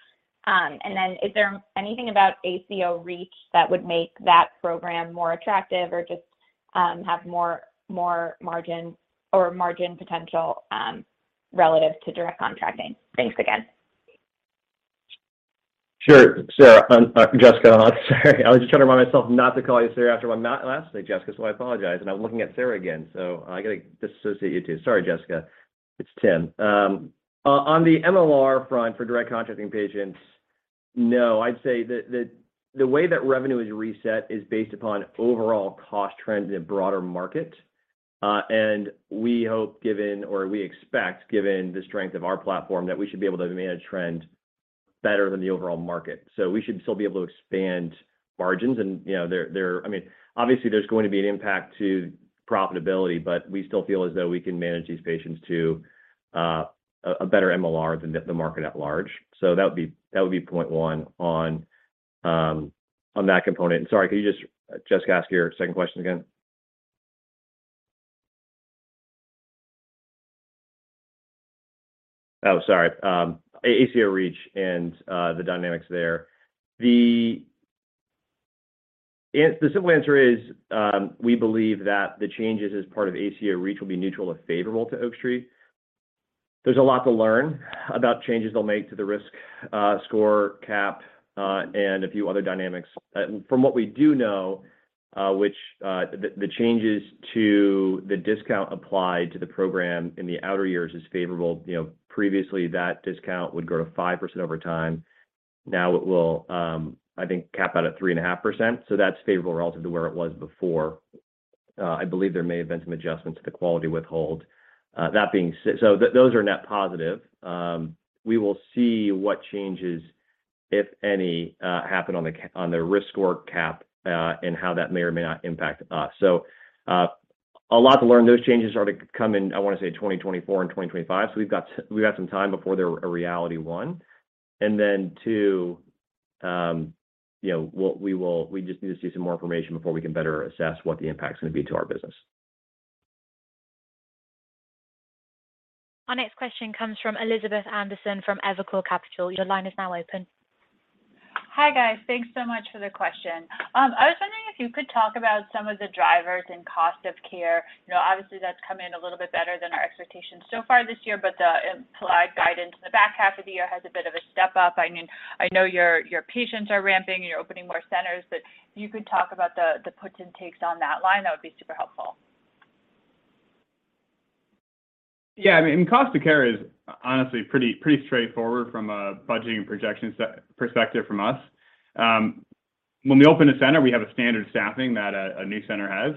Is there anything about ACO REACH that would make that program more attractive or just have more margin or margin potential relative to Direct Contracting? Thanks again. Sure. Sarah, Jessica, I'm sorry. I was just trying to remind myself not to call you Sarah after I met last week, Jessica, so I apologize. I'm looking at Sarah again, so I gotta disassociate you two. Sorry, Jessica. It's Tim. On the MLR front for Direct Contracting patients, no, I'd say the way that revenue is reset is based upon overall cost trends in the broader market. We hope given, or we expect, given the strength of our platform, that we should be able to manage trend better than the overall market. We should still be able to expand margins and, you know, I mean, obviously there's going to be an impact to profitability, but we still feel as though we can manage these patients to a better MLR than the market at large. That would be point one on that component. Sorry, could you just, Jessica, ask your second question again? Oh, sorry. ACO REACH and the dynamics there. The simple answer is, we believe that the changes as part of ACO REACH will be neutral or favorable to Oak Street. There's a lot to learn about changes they'll make to the risk score cap and a few other dynamics. From what we do know, which, the changes to the discount applied to the program in the outer years is favorable. You know, previously that discount would grow 5% over time. Now it will, I think cap out at 3.5%. That's favorable relative to where it was before. I believe there may have been some adjustment to the quality withhold. That being so, those are net positive. We will see what changes, if any, happen on the risk score cap, and how that may or may not impact us. A lot to learn. Those changes are to come in, I wanna say, 2024 and 2025. We've got some time before they're a reality, one. Two, you know, we'll just need to see some more information before we can better assess what the impact's gonna be to our business. Our next question comes from Elizabeth Anderson from Evercore ISI. Your line is now open. Hi, guys. Thanks so much for the question. I was wondering if you could talk about some of the drivers in cost of care. You know, obviously that's come in a little bit better than our expectations so far this year, but the implied guidance in the back half of the year has a bit of a step up. I mean, I know your patients are ramping and you're opening more centers, but if you could talk about the puts and takes on that line, that would be super helpful. I mean, cost of care is honestly pretty straightforward from a budgeting perspective from us. When we open a center, we have a standard staffing that a new center has.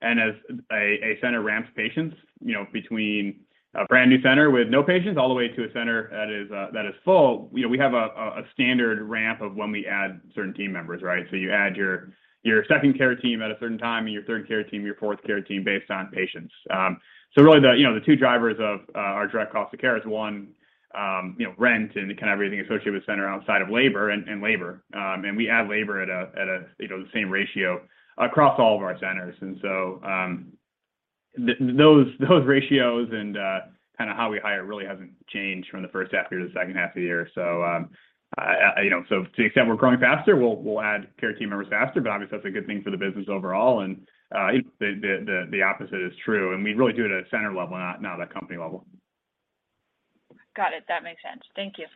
As a center ramps patients, you know, between a brand new center with no patients all the way to a center that is full, you know, we have a standard ramp of when we add certain team members, right? You add your second care team at a certain time and your third care team, your fourth care team based on patients. Really the two drivers of our direct cost of care is one, you know, rent and kinda everything associated with center outside of labor and labor. We add labor at a you know the same ratio across all of our centers. Those ratios and kinda how we hire really hasn't changed from the first half year to the second half of the year. You know, so to the extent we're growing faster, we'll add care team members faster, but obviously that's a good thing for the business overall. The opposite is true, and we really do it at a center level, not at a company level. Got it. That makes sense. Thank you.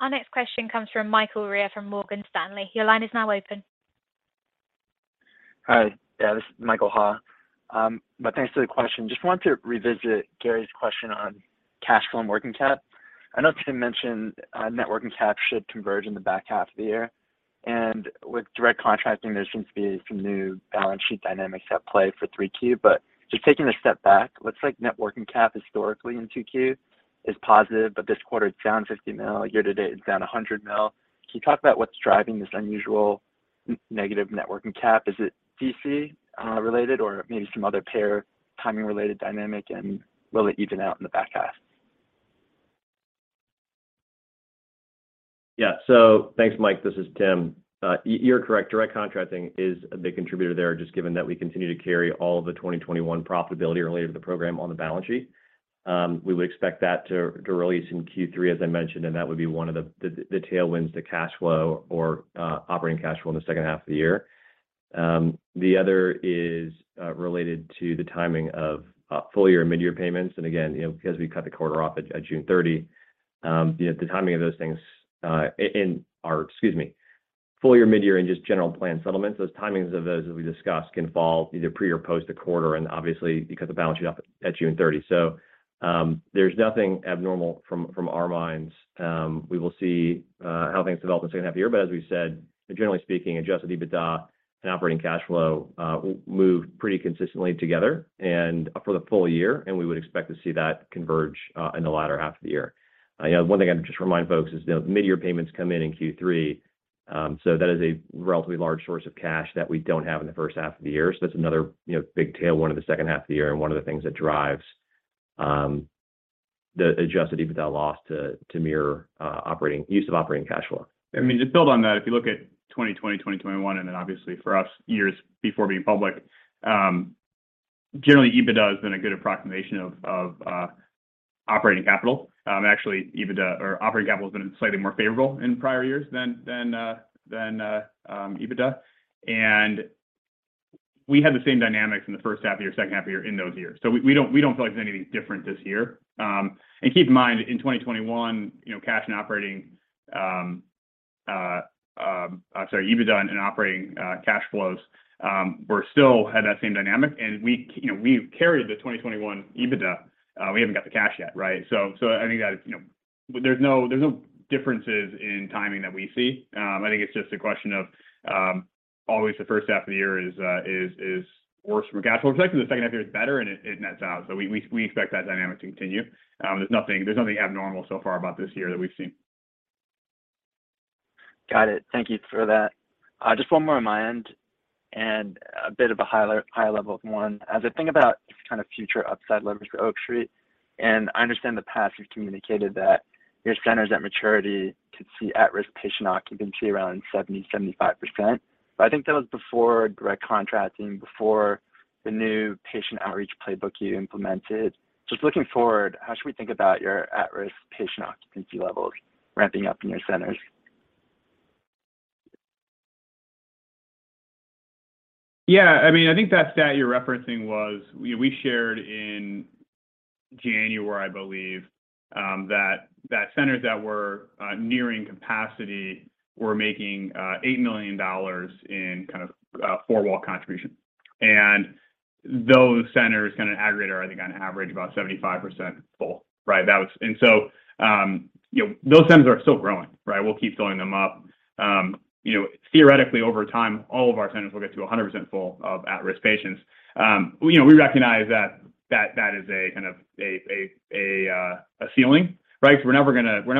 Our next question comes from Michael Ha from Morgan Stanley. Your line is now open. Hi. Yeah, this is Michael Ha. Thanks for the question. Just wanted to revisit Gary Taylor's question on cash flow and working cap. I know Tim Cook mentioned net working cap should converge in the back half of the year. With Direct Contracting, there seems to be some new balance sheet dynamics at play for 3Q. Just taking a step back, looks like net working cap historically in 2Q is positive, but this quarter it's down $50 million. Year to date, it's down $100 million. Can you talk about what's driving this unusual negative net working cap? Is it DC related or maybe some other payer timing related dynamic? Will it even out in the back half? Yeah. Thanks, Mike. This is Tim. You're correct. Direct Contracting is a big contributor there, just given that we continue to carry all the 2021 profitability related to the program on the balance sheet. We would expect that to release in Q3, as I mentioned, and that would be one of the tailwinds to cash flow or operating cash flow in the second half of the year. The other is related to the timing of full year and mid-year payments. Again, you know, because we cut the quarter off at June 30, you know, the timing of those things in our full year, mid-year and just general plan settlements, those timings, as we discussed, can fall either pre or post a quarter and obviously because the balance sheet at June 30. There's nothing abnormal from our minds. We will see how things develop in the second half of the year. As we've said, generally speaking, Adjusted EBITDA and operating cash flow move pretty consistently together and for the full year, and we would expect to see that converge in the latter half of the year. You know, one thing I'd just remind folks is, you know, the mid-year payments come in in Q3. That is a relatively large source of cash that we don't have in the first half of the year. That's another, you know, big tailwind in the second half of the year and one of the things that drives the Adjusted EBITDA loss to mirror operating use of operating cash flow. I mean, just build on that. If you look at 2020, 2021, and then obviously our years before being public, generally EBITDA has been a good approximation of operating capital. Actually EBITDA or operating capital has been slightly more favorable in prior years than EBITDA. We had the same dynamics in the first half of year, second half of year in those years. We don't feel like there's anything different this year. Keep in mind, in 2021, you know, EBITDA and operating cash flows still had that same dynamic. We, you know, carried the 2021 EBITDA. We haven't got the cash yet, right? I think that, you know, there's no differences in timing that we see. I think it's just a question of, always the first half of the year is worse from a cash flow perspective. The second half of the year is better and it nets out. We expect that dynamic to continue. There's nothing abnormal so far about this year that we've seen. Got it. Thank you for that. Just one more on my end and a bit of a higher level one. As I think about kind of future upside leverage for Oak Street, and I understand in the past you've communicated that your centers at maturity could see at-risk patient occupancy around 70%-75%. I think that was before Direct Contracting, before the new patient outreach playbook you implemented. Just looking forward, how should we think about your at-risk patient occupancy levels ramping up in your centers? Yeah, I mean, I think that stat you're referencing was we shared in January, I believe, that centers that were nearing capacity were making $8 million in kind of four wall contribution. Those centers kind of aggregate are, I think, on average about 75% full, right? That was. You know, those centers are still growing, right? We'll keep filling them up. You know, theoretically over time, all of our centers will get to 100% full of at-risk patients. You know, we recognize that that is a kind of a ceiling, right? Because we're never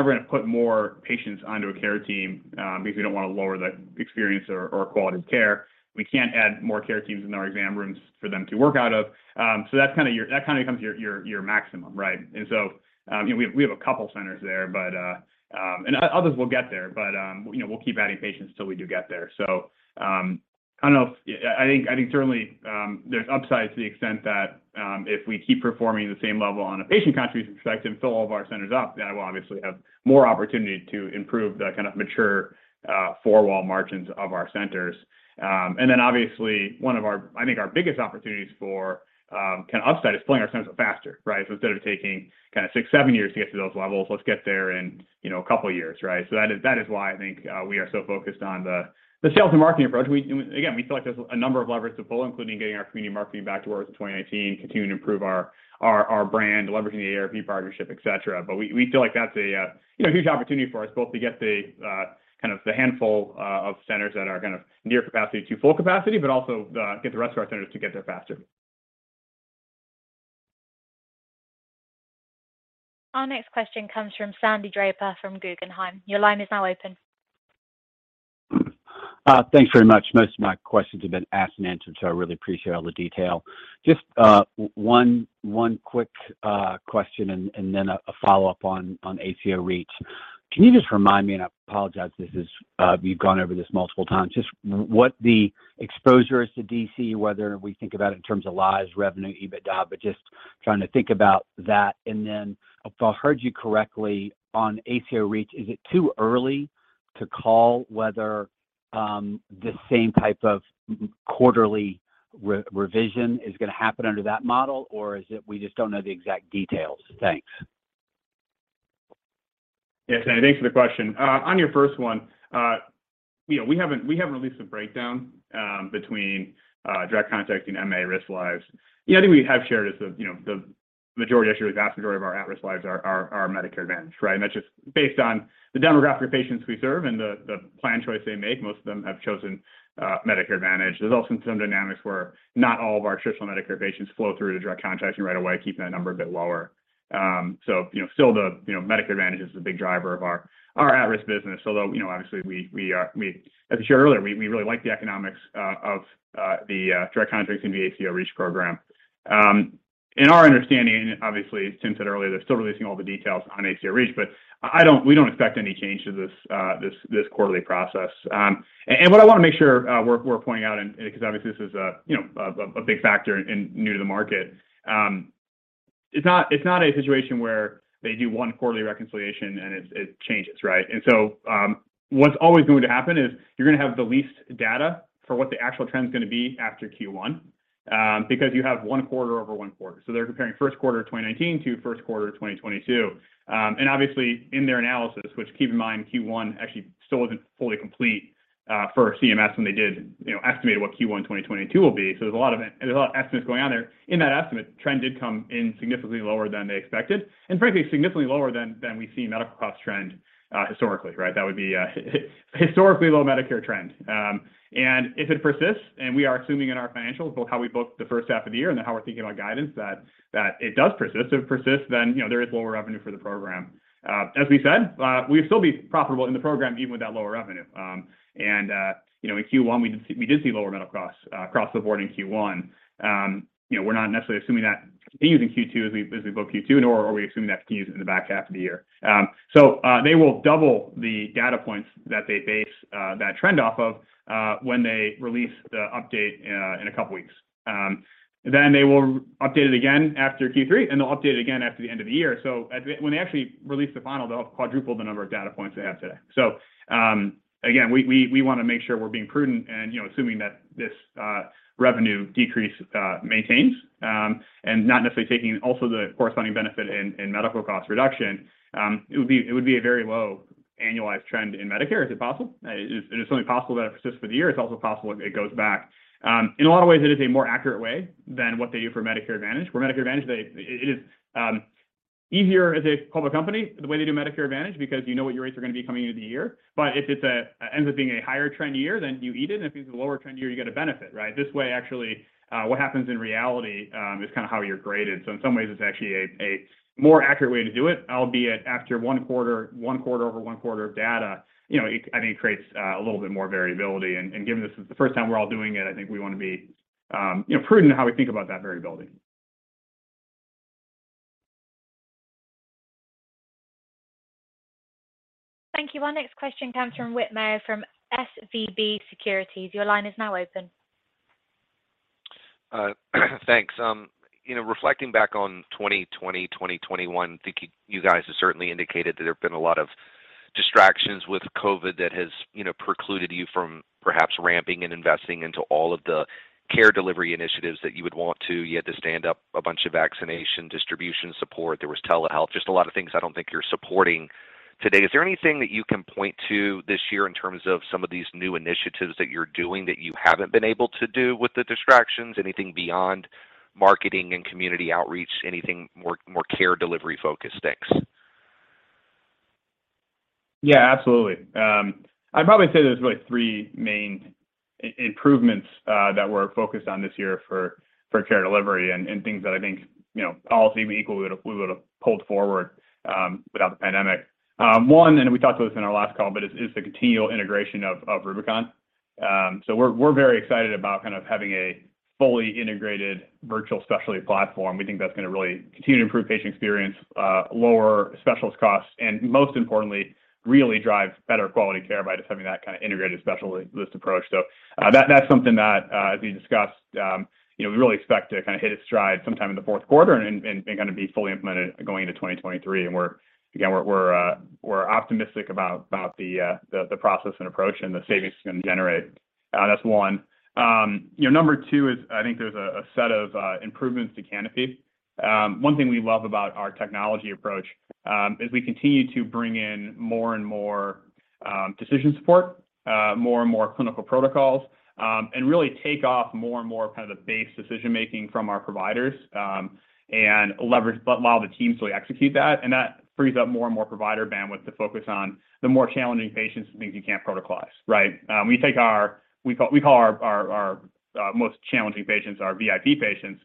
gonna put more patients onto a care team, because we don't wanna lower the experience or quality of care. We can't add more care teams in our exam rooms for them to work out of. That kinda becomes your maximum, right? You know, we have a couple centers there, but others will get there, but you know, we'll keep adding patients till we do get there. I don't know. I think certainly there's upside to the extent that if we keep performing the same level on a Patient Contribution perspective and fill all of our centers up, then we'll obviously have more opportunity to improve the kind of mature four wall margins of our centers. Obviously one of our, I think our biggest opportunities for kinda upside is filling our centers up faster, right? Instead of taking kinda six-seven years to get to those levels, let's get there in, you know, a couple of years, right? That is why I think we are so focused on the sales and marketing approach. And again, we feel like there's a number of levers to pull, including getting our community marketing back to where it was in 2019, continuing to improve our brand, leveraging the AARP partnership, et cetera. We feel like that's a, you know, huge opportunity for us both to get a handful of centers that are kind of near capacity to full capacity, but also get the rest of our centers to get there faster. Our next question comes from Sandy Draper from Guggenheim. Your line is now open. Thanks very much. Most of my questions have been asked and answered, so I really appreciate all the detail. Just one quick question and then a follow-up on ACO REACH. Can you just remind me, and I apologize, this is, you've gone over this multiple times, just what the exposure is to DC, whether we think about it in terms of lives, revenue, EBITDA, but just trying to think about that. If I heard you correctly on ACO REACH, is it too early to call whether the same type of quarterly revision is gonna happen under that model, or is it we just don't know the exact details? Thanks. Yeah. Sandy, thanks for the question. On your first one, you know, we haven't released a breakdown between Direct Contracting MA risk lives. The only thing we have shared is the, you know, the majority, actually the vast majority of our at-risk lives are Medicare Advantage, right? That's just based on the demographic of patients we serve and the plan choice they make. Most of them have chosen Medicare Advantage. There's also some dynamics where not all of our traditional Medicare patients flow through to Direct Contracting right away, keeping that number a bit lower. So, you know, still the, you know, Medicare Advantage is the big driver of our at-risk business. Although you know obviously we are as we shared earlier we really like the economics of the Direct Contracting the ACO REACH program. In our understanding obviously Tim said earlier they're still releasing all the details on ACO REACH but we don't expect any change to this quarterly process. What I wanna make sure we're pointing out and 'cause obviously this is a you know a big factor in new to the market. It's not a situation where they do one quarterly reconciliation and it changes right? What's always going to happen is you're gonna have the least data for what the actual trend's gonna be after Q1 because you have one quarter over one quarter. They're comparing first quarter of 2019 to first quarter of 2022. Obviously in their analysis, which, keep in mind, Q1 actually still isn't fully complete for CMS when they did estimate what Q1 2022 will be. There's a lot of estimates going on there. In that estimate, trend did come in significantly lower than they expected, and frankly, significantly lower than we see medical costs trend historically, right? That would be a historically low Medicare trend. If it persists, and we are assuming in our financials both how we book the first half of the year and then how we're thinking about guidance that it does persist. If it persists, there is lower revenue for the program. As we said, we'll still be profitable in the program even with that lower revenue. You know, in Q1 we did see lower medical costs across the board in Q1. You know, we're not necessarily assuming that continues in Q2 as we book Q2, nor are we assuming that continues in the back half of the year. They will double the data points that they base that trend off of when they release the update in a couple weeks. Then they will update it again after Q3, and they'll update it again after the end of the year. When they actually release the final, they'll have quadrupled the number of data points they have today. Again, we wanna make sure we're being prudent and, you know, assuming that this revenue decrease maintains, and not necessarily taking also the corresponding benefit in medical cost reduction. It would be a very low annualized trend in Medicare, is it possible? It is, and it's certainly possible that it persists for the year. It's also possible it goes back. In a lot of ways it is a more accurate way than what they do for Medicare Advantage. For Medicare Advantage, it is easier as a public company, the way they do Medicare Advantage because you know what your rates are gonna be coming into the year. But if it ends up being a higher trend year, then you eat it, and if it's a lower trend year, you get a benefit, right? This way actually, what happens in reality, is kinda how you're graded. In some ways it's actually a more accurate way to do it, albeit after one quarter over one quarter of data. You know, I think it creates a little bit more variability and given this is the first time we're all doing it, I think we wanna be, you know, prudent in how we think about that variability. Thank you. Our next question comes from Whit Mayo from SVB Securities. Your line is now open. Thanks. You know, reflecting back on 2020, 2021, I think you guys have certainly indicated that there have been a lot of distractions with COVID that has, you know, precluded you from perhaps ramping and investing into all of the care delivery initiatives that you would want to. You had to stand up a bunch of vaccination distribution support. There was telehealth, just a lot of things I don't think you're supporting today. Is there anything that you can point to this year in terms of some of these new initiatives that you're doing that you haven't been able to do with the distractions? Anything beyond marketing and community outreach, anything more care delivery focused things? Yeah, absolutely. I'd probably say there's really three main improvements that we're focused on this year for care delivery and things that I think, you know, all seem equal, we would've pulled forward without the pandemic. One, we talked about this in our last call, but it's the continual integration of Rubicon. We're very excited about kind of having a fully integrated virtual specialty platform. We think that's gonna really continue to improve patient experience, lower specialist costs, and most importantly, really drive better quality care by just having that kind of integrated specialist approach. That's something that, as we discussed, you know, we really expect to kind of hit its stride sometime in the fourth quarter and kinda be fully implemented going into 2023. We're optimistic about the process and approach and the savings it's gonna generate. That's one. You know, number two is I think there's a set of improvements to Canopy. One thing we love about our technology approach is we continue to bring in more and more decision support, more and more clinical protocols, and really take off more and more kind of the base decision-making from our providers, and leverage but allow the team to execute that. That frees up more and more provider bandwidth to focus on the more challenging patients and things you can't protocolize, right? We call our most challenging patients our VIP patients.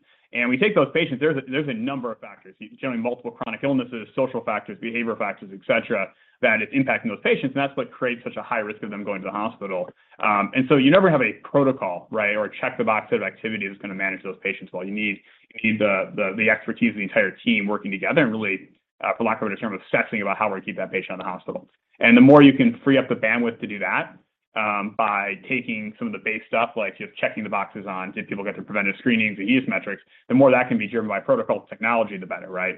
We take those patients, there's a number of factors. You can generally have multiple chronic illnesses, social factors, behavior factors, et cetera, that is impacting those patients, and that's what creates such a high risk of them going to the hospital. You never have a protocol, right? Or a check-the-box type of activity that's gonna manage those patients well. You need the expertise of the entire team working together and really, for lack of a better term, obsessing about how we keep that patient out of the hospital. The more you can free up the bandwidth to do that, by taking some of the base stuff, like just checking the boxes on, did people get their preventive screenings and use metrics, the more that can be driven by protocol technology, the better, right?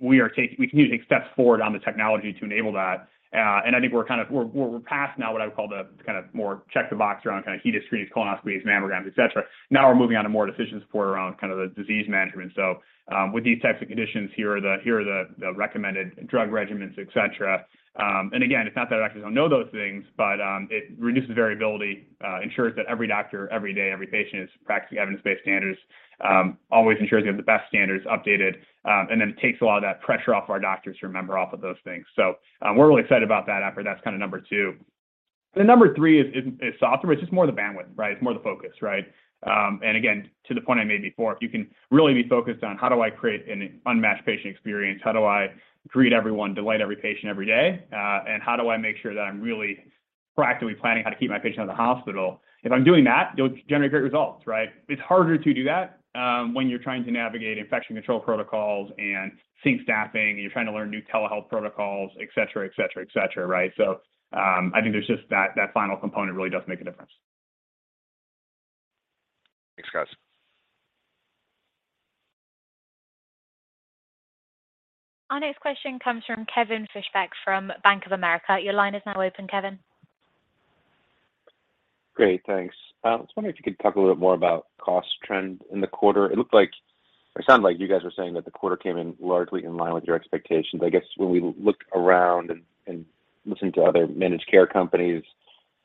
We continue taking steps forward on the technology to enable that. I think we're past now what I would call the kind of more check the box around kind of HEDIS screens, colonoscopies, mammograms, et cetera. Now we're moving on to more decision support around kind of the disease management. With these types of conditions, here are the recommended drug regimens, et cetera. Again, it's not that our doctors don't know those things, but it reduces variability, ensures that every doctor, every day, every patient is practicing evidence-based standards, always ensures they have the best standards updated, and then takes a lot of that pressure off our doctors to remember all of those things. We're really excited about that effort. That's kind of number two. Then number three is software. It's just more the bandwidth, right? It's more the focus, right? And again, to the point I made before, if you can really be focused on how do I create an unmatched patient experience? How do I greet everyone, delight every patient every day? And how do I make sure that I'm really proactively planning how to keep my patient out of the hospital. If I'm doing that, you'll generate great results, right? It's harder to do that, when you're trying to navigate infection control protocols and seeing to staffing, and you're trying to learn new telehealth protocols, et cetera, et cetera, et cetera, right? I think there's just that final component really does make a difference. Thanks, guys. Our next question comes from Kevin Fischbeck from Bank of America. Your line is now open, Kevin. Great, thanks. I was wondering if you could talk a little bit more about cost trend in the quarter. It looked like or it sounded like you guys were saying that the quarter came in largely in line with your expectations. I guess, when we look around and listen to other managed care companies,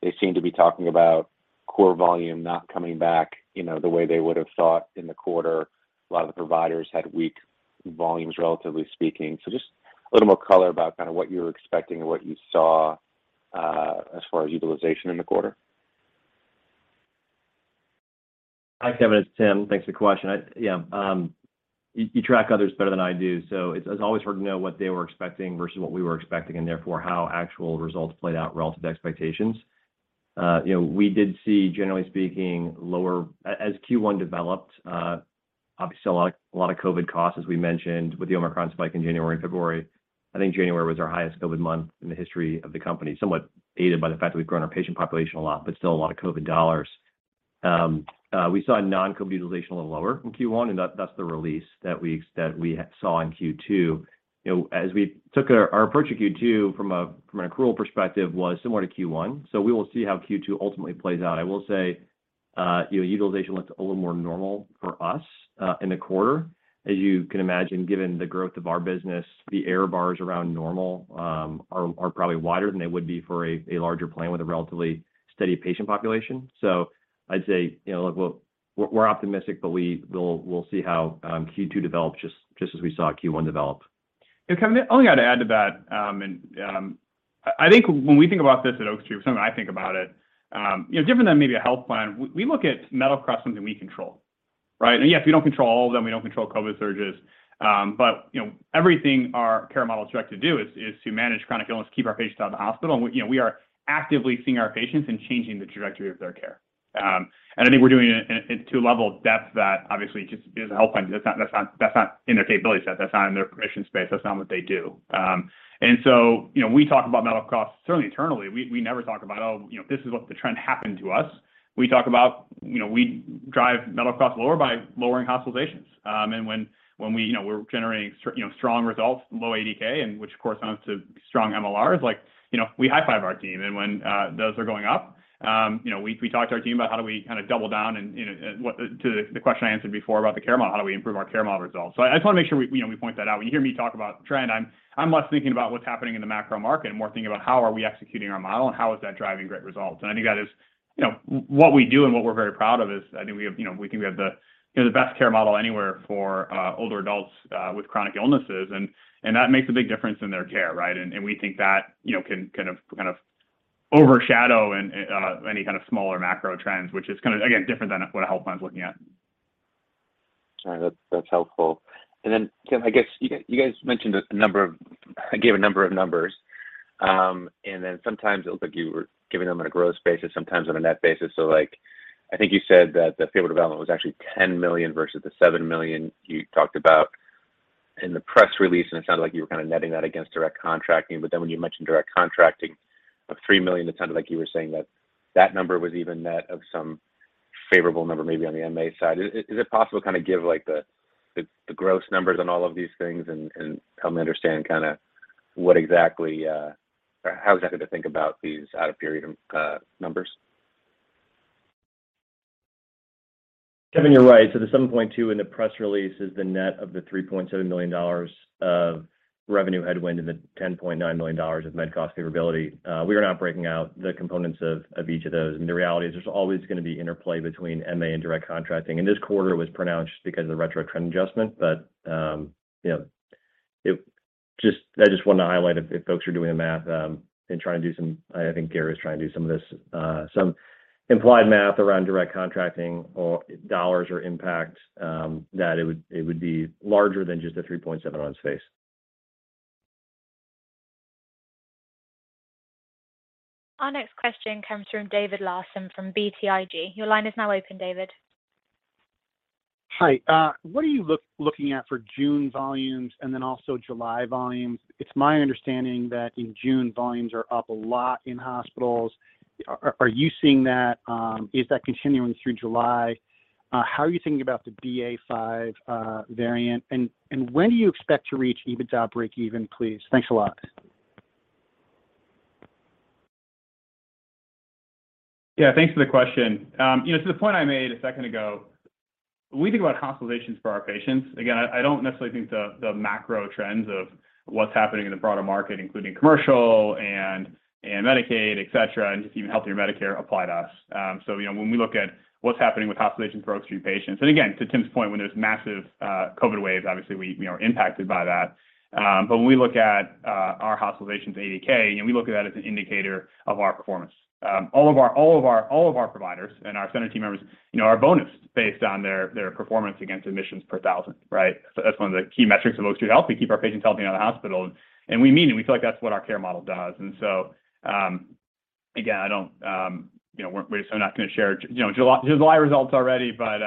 they seem to be talking about core volume not coming back, you know, the way they would have thought in the quarter. A lot of the providers had weak volumes, relatively speaking. Just a little more color about kind of what you were expecting and what you saw, as far as utilization in the quarter. Hi, Kevin, it's Tim. Thanks for the question. Yeah, you track others better than I do, so it's always hard to know what they were expecting versus what we were expecting, and therefore how actual results played out relative to expectations. You know, we did see, generally speaking, lower as Q1 developed, obviously a lot of COVID costs, as we mentioned, with the Omicron spike in January and February. I think January was our highest COVID month in the history of the company, somewhat aided by the fact that we've grown our patient population a lot, but still a lot of COVID dollars. We saw non-COVID utilization a little lower in Q1, and that's the release that we saw in Q2. You know, as we took our approach to Q2 from an accrual perspective was similar to Q1. We will see how Q2 ultimately plays out. I will say, you know, utilization looked a little more normal for us in the quarter. As you can imagine, given the growth of our business, the error bars around normal are probably wider than they would be for a larger plan with a relatively steady patient population. I'd say, you know, look, we're optimistic, but we'll see how Q2 develops just as we saw Q1 develop. Kevin, the only thing I'd add to that, I think when we think about this at Oak Street, or certainly when I think about it, you know, different than maybe a health plan, we look at medical costs as something we control, right? Yes, we don't control all of them. We don't control COVID surges. But, you know, everything our care model is structured to do is to manage chronic illness, keep our patients out of the hospital. You know, we are actively seeing our patients and changing the trajectory of their care. I think we're doing it at two levels of depth that obviously just as a health plan, that's not in their capability set. That's not in their permission space. That's not what they do. You know, we talk about medical costs. Certainly internally, we never talk about, oh, you know, this is what the trend happened to us. We talk about, you know, we drive medical costs lower by lowering hospitalizations. When we, you know, are generating strong results, low ADK, and which corresponds to strong MLRs, like, you know, we high-five our team. When those are going up, you know, we talk to our team about how do we kind of double down and, you know, what to the question I answered before about the care model, how do we improve our care model results. I just want to make sure we, you know, point that out. When you hear me talk about trend, I'm less thinking about what's happening in the macro market and more thinking about how are we executing our model and how is that driving great results. I think that is, you know, what we do and what we're very proud of is I think we have, you know, we think we have the, you know, the best care model anywhere for older adults with chronic illnesses and that makes a big difference in their care, right? We think that, you know, can kind of overshadow any kind of smaller macro trends, which is kind of, again, different than what a health plan is looking at. Sorry, that's helpful. Tim, I guess you guys gave a number of numbers. Sometimes it looked like you were giving them on a gross basis, sometimes on a net basis. Like, I think you said that the favorable development was actually $10 million versus the $7 million you talked about in the press release, and it sounded like you were kind of netting that against Direct Contracting. When you mentioned Direct Contracting of $3 million, it sounded like you were saying that number was even net of some favorable number, maybe on the MA side. Is it possible to kind of give, like, the gross numbers on all of these things and help me understand kind of what exactly or how exactly to think about these out of period numbers? Kevin, you're right. The $7.2 million in the press release is the net of the $3.7 million of revenue headwind and the $10.9 million of med cost favorability. We are not breaking out the components of each of those. I mean, the reality is there's always gonna be interplay between MA and Direct Contracting. In this quarter, it was pronounced because of the retro trend adjustment. You know, I just wanted to highlight if folks are doing the math and trying to do some, I think Gary was trying to do some of this, some implied math around Direct Contracting or dollars or impact, that it would be larger than just the $3.7 million on its face. Our next question comes from David Larsen from BTIG. Your line is now open, David. Hi. What are you looking at for June volumes and then also July volumes? It's my understanding that in June, volumes are up a lot in hospitals. Are you seeing that? Is that continuing through July? How are you thinking about the BA.5 variant? When do you expect to reach EBITDA break even, please? Thanks a lot. Yeah, thanks for the question. You know, to the point I made a second ago, when we think about hospitalizations for our patients, again, I don't necessarily think the macro trends of what's happening in the broader market, including commercial and Medicaid, et cetera, and just even healthier Medicare apply to us. You know, when we look at what's happening with hospitalizations for Oak Street patients, and again, to Tim's point, when there's massive COVID waves, obviously we are impacted by that. When we look at our hospitalizations ADK, you know, we look at that as an indicator of our performance. All of our providers and our center team members, you know, are bonused based on their performance against admissions per thousand, right? That's one of the key metrics of Oak Street Health. We keep our patients healthy out of the hospital, and we mean it. We feel like that's what our care model does. Again, I don't, you know, we're so not gonna share, you know, July results already, but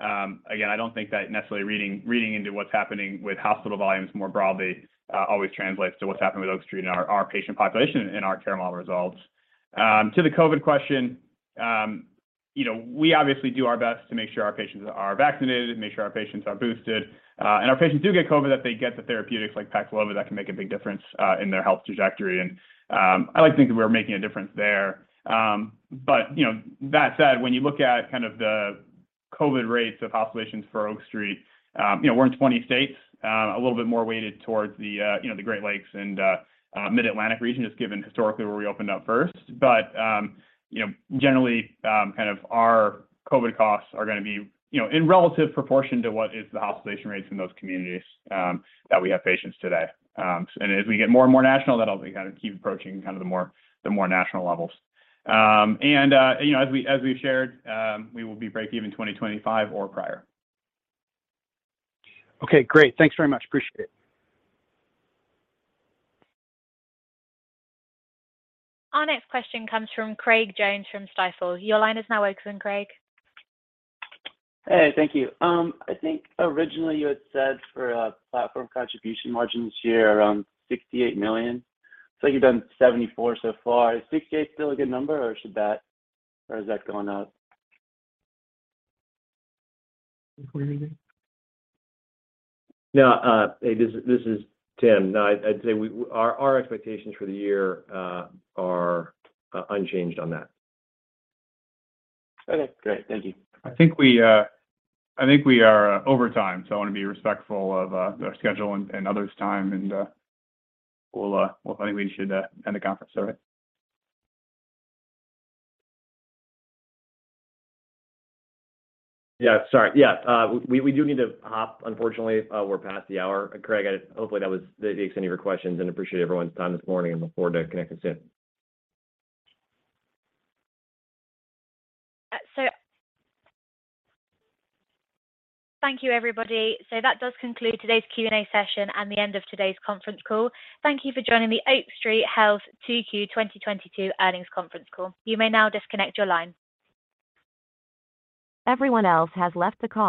again, I don't think that necessarily reading into what's happening with hospital volumes more broadly always translates to what's happening with Oak Street and our patient population and our care model results. To the COVID question, you know, we obviously do our best to make sure our patients are vaccinated and make sure our patients are boosted. Our patients do get COVID, that they get the therapeutics like Paxlovid that can make a big difference in their health trajectory. I like to think that we're making a difference there. But you know, that said, when you look at kind of the COVID rates of populations for Oak Street, you know, we're in 20 states, a little bit more weighted towards the, you know, the Great Lakes and, Mid-Atlantic region, just given historically where we opened up first. You know, generally, kind of our COVID costs are gonna be, you know, in relative proportion to what is the hospitalization rates in those communities, that we have patients today. You know, as we shared, we will be breakeven 2025 or prior. Okay, great. Thanks very much. Appreciate it. Our next question comes from Craig Jones from Stifel. Your line is now open, Craig. Hey, thank you. I think originally you had said for platform contribution margin this year around $68 million. You've done $74 so far. Is $68 still a good number or has that gone up? Can you hear me? No, this is Tim. No, I'd say our expectations for the year are unchanged on that. Okay, great. Thank you. I think we are over time, so I wanna be respectful of the schedule and others' time, and I think we should end the conference call. Yeah, sorry. Yeah. We do need to hop, unfortunately, we're past the hour. Craig, hopefully that takes any of your questions and appreciate everyone's time this morning and look forward to connecting soon. Thank you everybody. That does conclude today's Q&A session and the end of today's conference call. Thank you for joining the Oak Street Health 2Q 2022 Earnings Conference Call. You may now disconnect your line. Everyone else has left the call.